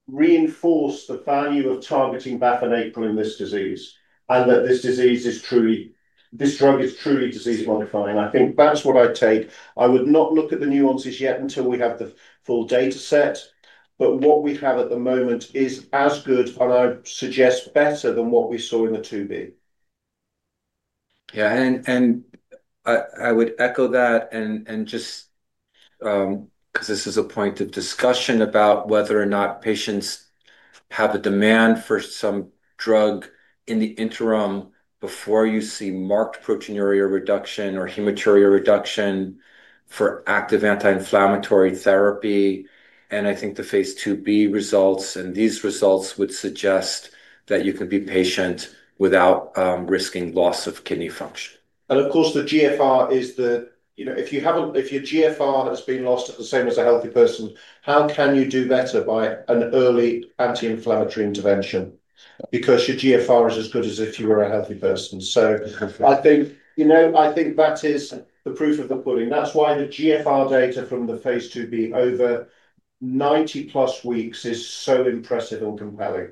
Speaker 7: Reinforce the value of targeting BAFF and APRIL in this disease and that this drug is truly disease-modifying. I think that's what I take. I would not look at the nuances yet until we have the full data set. What we have at the moment is as good, and I suggest better than what we saw in the Phase IIb.
Speaker 3: Yeah. I would echo that. Just because this is a point of discussion about whether or not patients have a demand for some drug in the interim before you see marked proteinuria reduction or hematuria reduction for active anti-inflammatory therapy. I think the Phase IIb results and these results would suggest that you can be patient without risking loss of kidney function.
Speaker 7: Of course, the GFR is the, if you have a, if your GFR has been lost at the same as a healthy person, how can you do better by an early anti-inflammatory intervention? Because your GFR is as good as if you were a healthy person. I think that is the proof of the pudding. That's why the GFR data from the Phase IIb over 90-plus weeks is so impressive and compelling.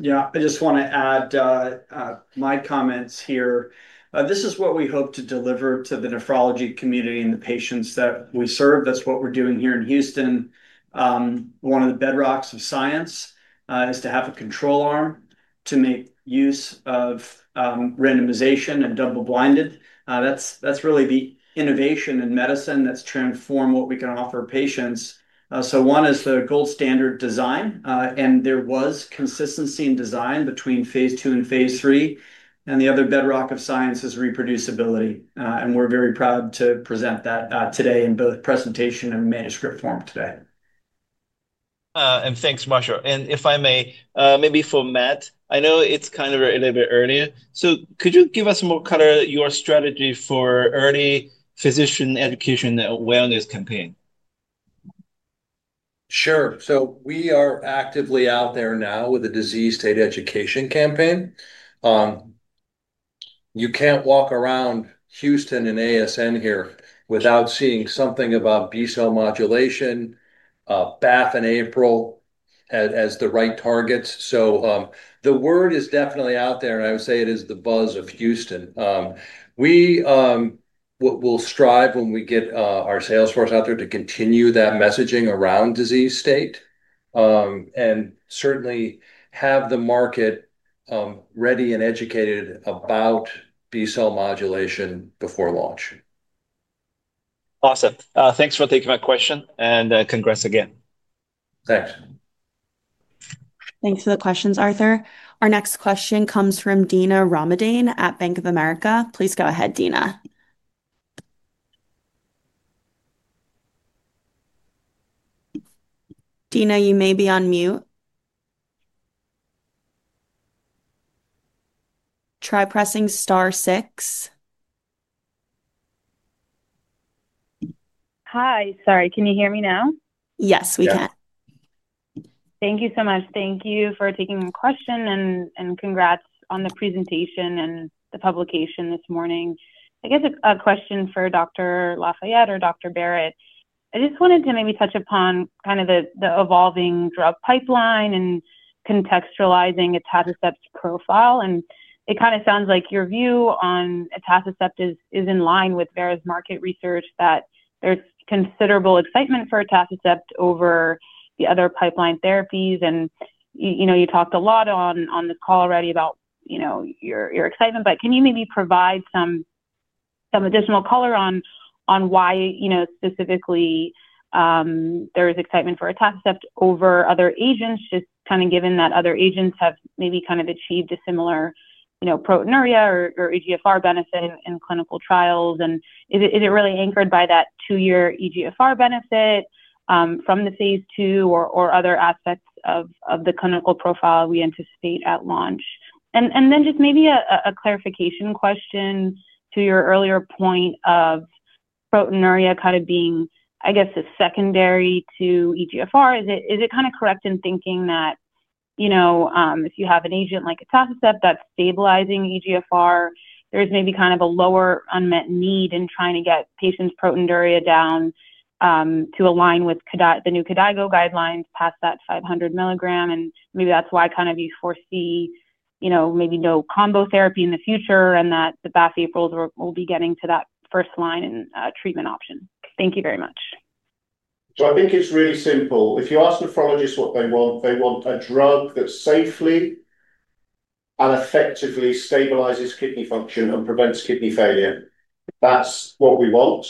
Speaker 2: I just want to add my comments here. This is what we hope to deliver to the nephrology community and the patients that we serve. That's what we're doing here in Houston. One of the bedrocks of science is to have a control arm to make use of randomization and double-blinded. That's really the innovation in medicine that's transformed what we can offer patients. One is the gold standard design. There was consistency in design between Phase II and Phase III. The other bedrock of science is reproducibility. We are very proud to present that today in both presentation and manuscript form.
Speaker 15: Thanks, Marcia. If I may, maybe for Matt, I know it's kind of a little bit early. Could you give us more color of your strategy for early physician education and wellness campaign?
Speaker 4: Sure. We are actively out there now with a disease state education campaign. You can't walk around Houston and ASN here without seeing something about B-cell modulation. BAFF and APRIL as the right targets. The word is definitely out there, and I would say it is the buzz of Houston. We will strive when we get our sales force out there to continue that messaging around disease state and certainly have the market ready and educated about B-cell modulation before launch.
Speaker 15: Awesome. Thanks for taking my question, and congrats again. Thanks.
Speaker 1: Thanks for the questions, Arthur. Our next question comes from Dina Ramadane at Bank of America. Please go ahead, Dina. Dina, you may be on mute. Try pressing star six.
Speaker 16: Hi. Sorry. Can you hear me now? Yes, we can. Thank you so much. Thank you for taking the question and congrats on the presentation and the publication this morning. I guess a question for Dr. Lafayette or Dr. Barratt. I just wanted to maybe touch upon kind of the evolving drug pipeline and contextualizing atacicept's profile. And it kind of sounds like your view on atacicept is in line with Vera's market research that there's considerable excitement for atacicept over the other pipeline therapies. You talked a lot on this call already about your excitement. Can you maybe provide some. Additional color on why specifically there is excitement for atacicept over other agents, just kind of given that other agents have maybe kind of achieved a similar proteinuria or eGFR benefit in clinical trials. Is it really anchored by that two-year eGFR benefit from the Phase II or other aspects of the clinical profile we anticipate at launch? Just maybe a clarification question to your earlier point of proteinuria kind of being, I guess, secondary to eGFR. Is it kind of correct in thinking that if you have an agent like atacicept that's stabilizing eGFR, there's maybe kind of a lower unmet need in trying to get patients' proteinuria down to align with the new KDIGO guidelines past that 500 mg? Maybe that's why you foresee maybe no combo therapy in the future and that the Bafinapril will be getting to that first line in treatment option. Thank you very much.
Speaker 7: I think it's really simple. If you ask nephrologists what they want, they want a drug that safely and effectively stabilizes kidney function and prevents kidney failure. That's what we want.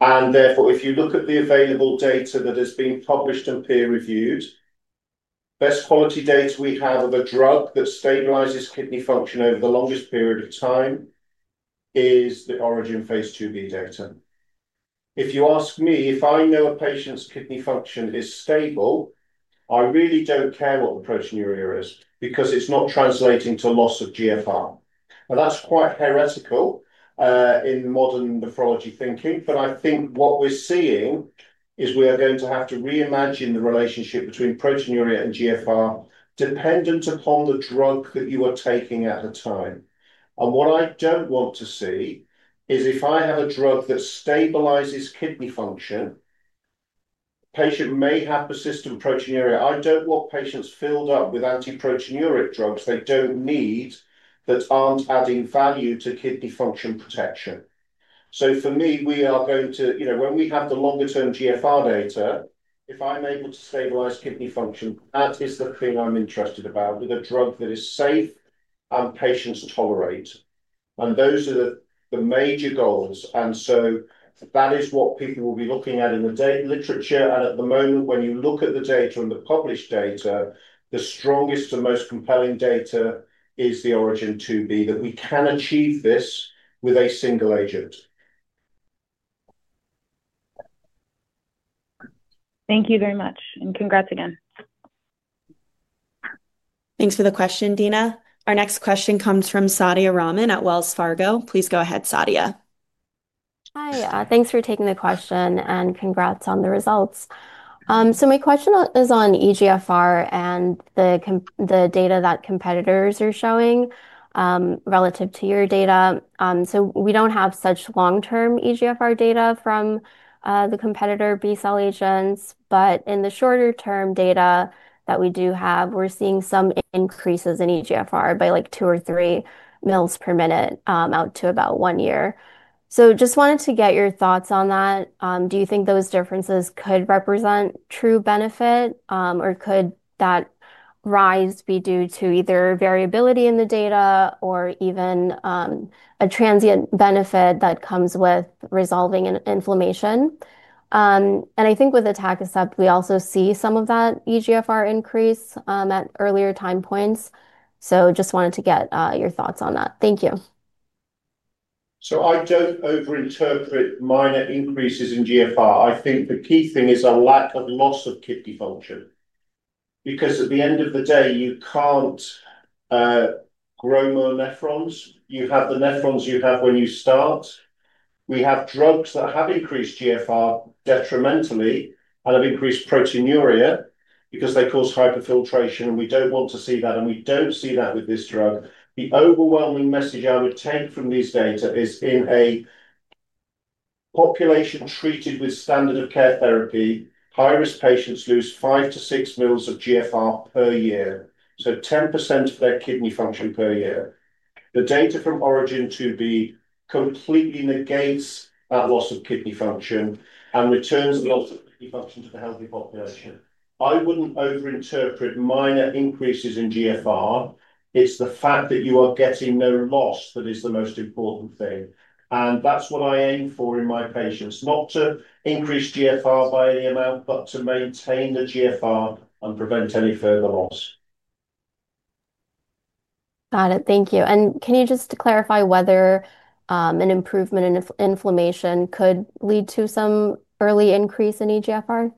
Speaker 7: Therefore, if you look at the available data that has been published and peer-reviewed, the best quality data we have of a drug that stabilizes kidney function over the longest period of time is the ORIGIN Phase IIb data. If you ask me, if I know a patient's kidney function is stable, I really do not care what the proteinuria is because it's not translating to loss of eGFR. That's quite heretical in modern nephrology thinking. I think what we're seeing is we are going to have to reimagine the relationship between proteinuria and GFR dependent upon the drug that you are taking at the time. What I don't want to see is if I have a drug that stabilizes kidney function. The patient may have persistent proteinuria. I don't want patients filled up with antiproteinuric drugs they don't need that aren't adding value to kidney function protection. For me, we are going to, when we have the longer-term GFR data, if I'm able to stabilize kidney function, that is the thing I'm interested about with a drug that is safe and patients tolerate. Those are the major goals. That is what people will be looking at in the literature. At the moment, when you look at the data and the published data, the strongest and most compelling data is the ORIGIN 2B, that we can achieve this with a single agent.
Speaker 16: Thank you very much. Congrats again. Thanks for the question, Dina.
Speaker 1: Our next question comes from Sadia Rahman at Wells Fargo. Please go ahead, Saadia.
Speaker 17: Hi. Thanks for taking the question and congrats on the results. My question is on eGFR and the data that competitors are showing relative to your data. We do not have such long-term eGFR data from the competitor B-cell agents, but in the shorter-term data that we do have, we are seeing some increases in eGFR by like two or three millis per minute out to about one year. I just wanted to get your thoughts on that. Do you think those differences could represent true benefit, or could that. Rise be due to either variability in the data or even a transient benefit that comes with resolving inflammation? I think with atacicept, we also see some of that eGFR increase at earlier time points. Just wanted to get your thoughts on that. Thank you.
Speaker 7: I do not over-interpret minor increases in GFR. I think the key thing is a lack of loss of kidney function. Because at the end of the day, you cannot grow more nephrons. You have the nephrons you have when you start. We have drugs that have increased GFR detrimentally and have increased proteinuria because they cause hyperfiltration. We do not want to see that. We do not see that with this drug. The overwhelming message I would take from these data is in a population treated with standard of care therapy, high-risk patients lose five to six mL of GFR per year, so 10% of their kidney function per year. The data from ORIGIN 2B completely negates that loss of kidney function and returns the loss of kidney function to the healthy population. I would not over-interpret minor increases in GFR. It is the fact that you are getting no loss that is the most important thing. That is what I aim for in my patients, not to increase GFR by any amount, but to maintain the GFR and prevent any further loss.
Speaker 17: Got it. Thank you. Can you just clarify whether an improvement in inflammation could lead to some early increase in eGFR?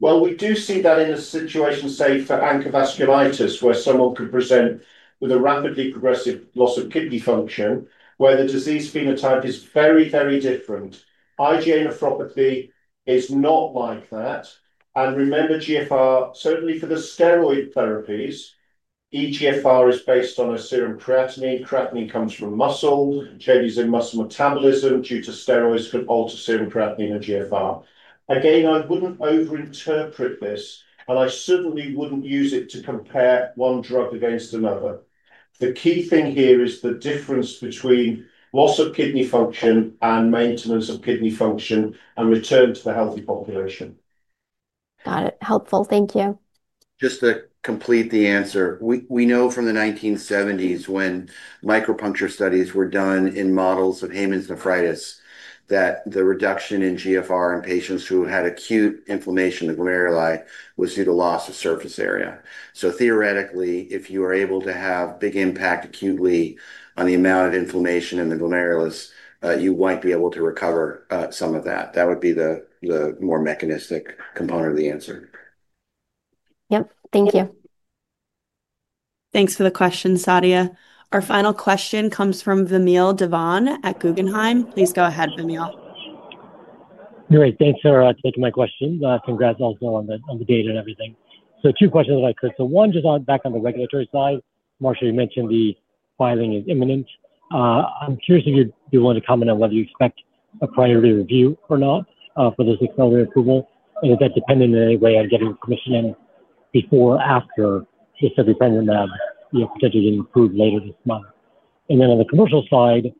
Speaker 7: We do see that in a situation, say, for ANCA vasculitis, where someone could present with a rapidly progressive loss of kidney function, where the disease phenotype is very, very different. IgA nephropathy is not like that. And remember, GFR, certainly for the steroid therapies, eGFR is based on a serum creatinine. Creatinine comes from muscle. Changes in muscle metabolism due to steroids could alter serum creatinine and GFR. Again, I would not over-interpret this, and I certainly would not use it to compare one drug against another. The key thing here is the difference between loss of kidney function and maintenance of kidney function and return to the healthy population.
Speaker 17: Got it. Helpful. Thank you.
Speaker 3: Just to complete the answer, we know from the 1970s when micropuncture studies were done in models of Hayman's nephritis that the reduction in GFR in patients who had acute inflammation, the glomeruli, was due to loss of surface area. Theoretically, if you are able to have big impact acutely on the amount of inflammation in the glomerulus, you might be able to recover some of that. That would be the more mechanistic component of the answer.
Speaker 17: Yep. Thank you.
Speaker 1: Thanks for the question, Sadia. Our final question comes from Vamil Divan at Guggenheim. Please go ahead, Vamil.
Speaker 18: All right. Thanks for taking my question. Congrats also on the data and everything. Two questions that I could. One, just back on the regulatory side, Marshall, you mentioned the filing is imminent. I'm curious if you'd be willing to comment on whether you expect a priority review or not for this accelerated approval. Is that dependent in any way on getting permission in before, after the study is done and potentially getting approved later this month? On the commercial side,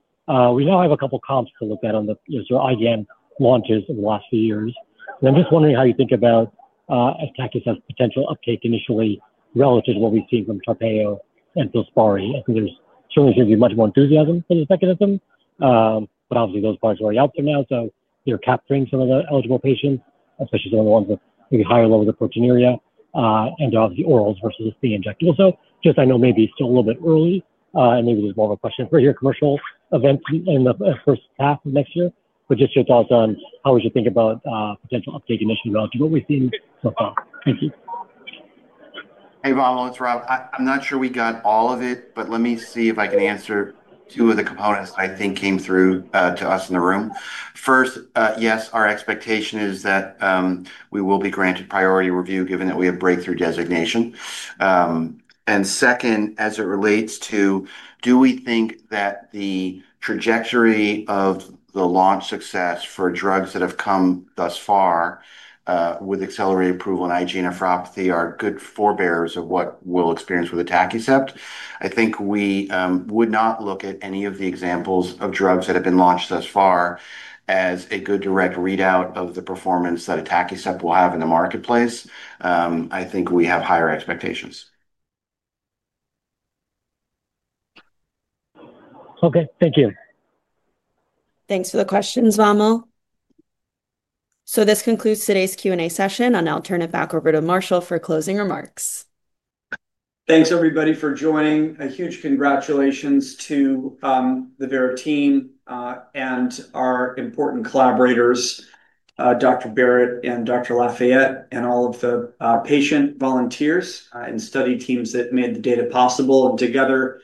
Speaker 18: we now have a couple of comps to look at on the sort of IgA launches over the last few years. I'm just wondering how you think about atacicept's potential uptake initially relative to what we've seen from Tarpeyo and sparsentan. I think there's certainly going to be much more enthusiasm for the mechanism. Obviously, those products are already out there now, so they're capturing some of the eligible patients, especially some of the ones with maybe higher levels of proteinuria and obviously orals versus the injectable. Just I know maybe it's still a little bit early, and maybe there's more of a question for your commercial event in the first half of next year. Just your thoughts on how would you think about potential uptake initially relative to what we've seen so far. Thank you.
Speaker 5: Hey, Vamil, it's Rob. I'm not sure we got all of it, but let me see if I can answer two of the components that I think came through to us in the room. First, yes, our expectation is that we will be granted priority review given that we have breakthrough designation. Second, as it relates to do we think that the trajectory of the launch success for drugs that have come thus far with accelerated approval and IgA nephropathy are good forebearers of what we'll experience with atacicept? I think we would not look at any of the examples of drugs that have been launched thus far as a good direct readout of the performance that atacicept will have in the marketplace. I think we have higher expectations.
Speaker 18: Okay. Thank you.
Speaker 1: Thanks for the questions, Vamil. This concludes today's Q&A session. I'll now turn it back over to Marshall for closing remarks.
Speaker 2: Thanks, everybody, for joining. A huge congratulations to the Vera team and our important collaborators, Dr. Barratt and Dr. Lafayette, and all of the patient volunteers and study teams that made the data possible. Together,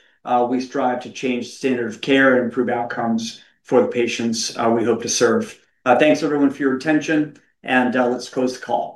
Speaker 2: we strive to change the standard of care and improve outcomes for the patients we hope to serve. Thanks, everyone, for your attention. Let's close the call.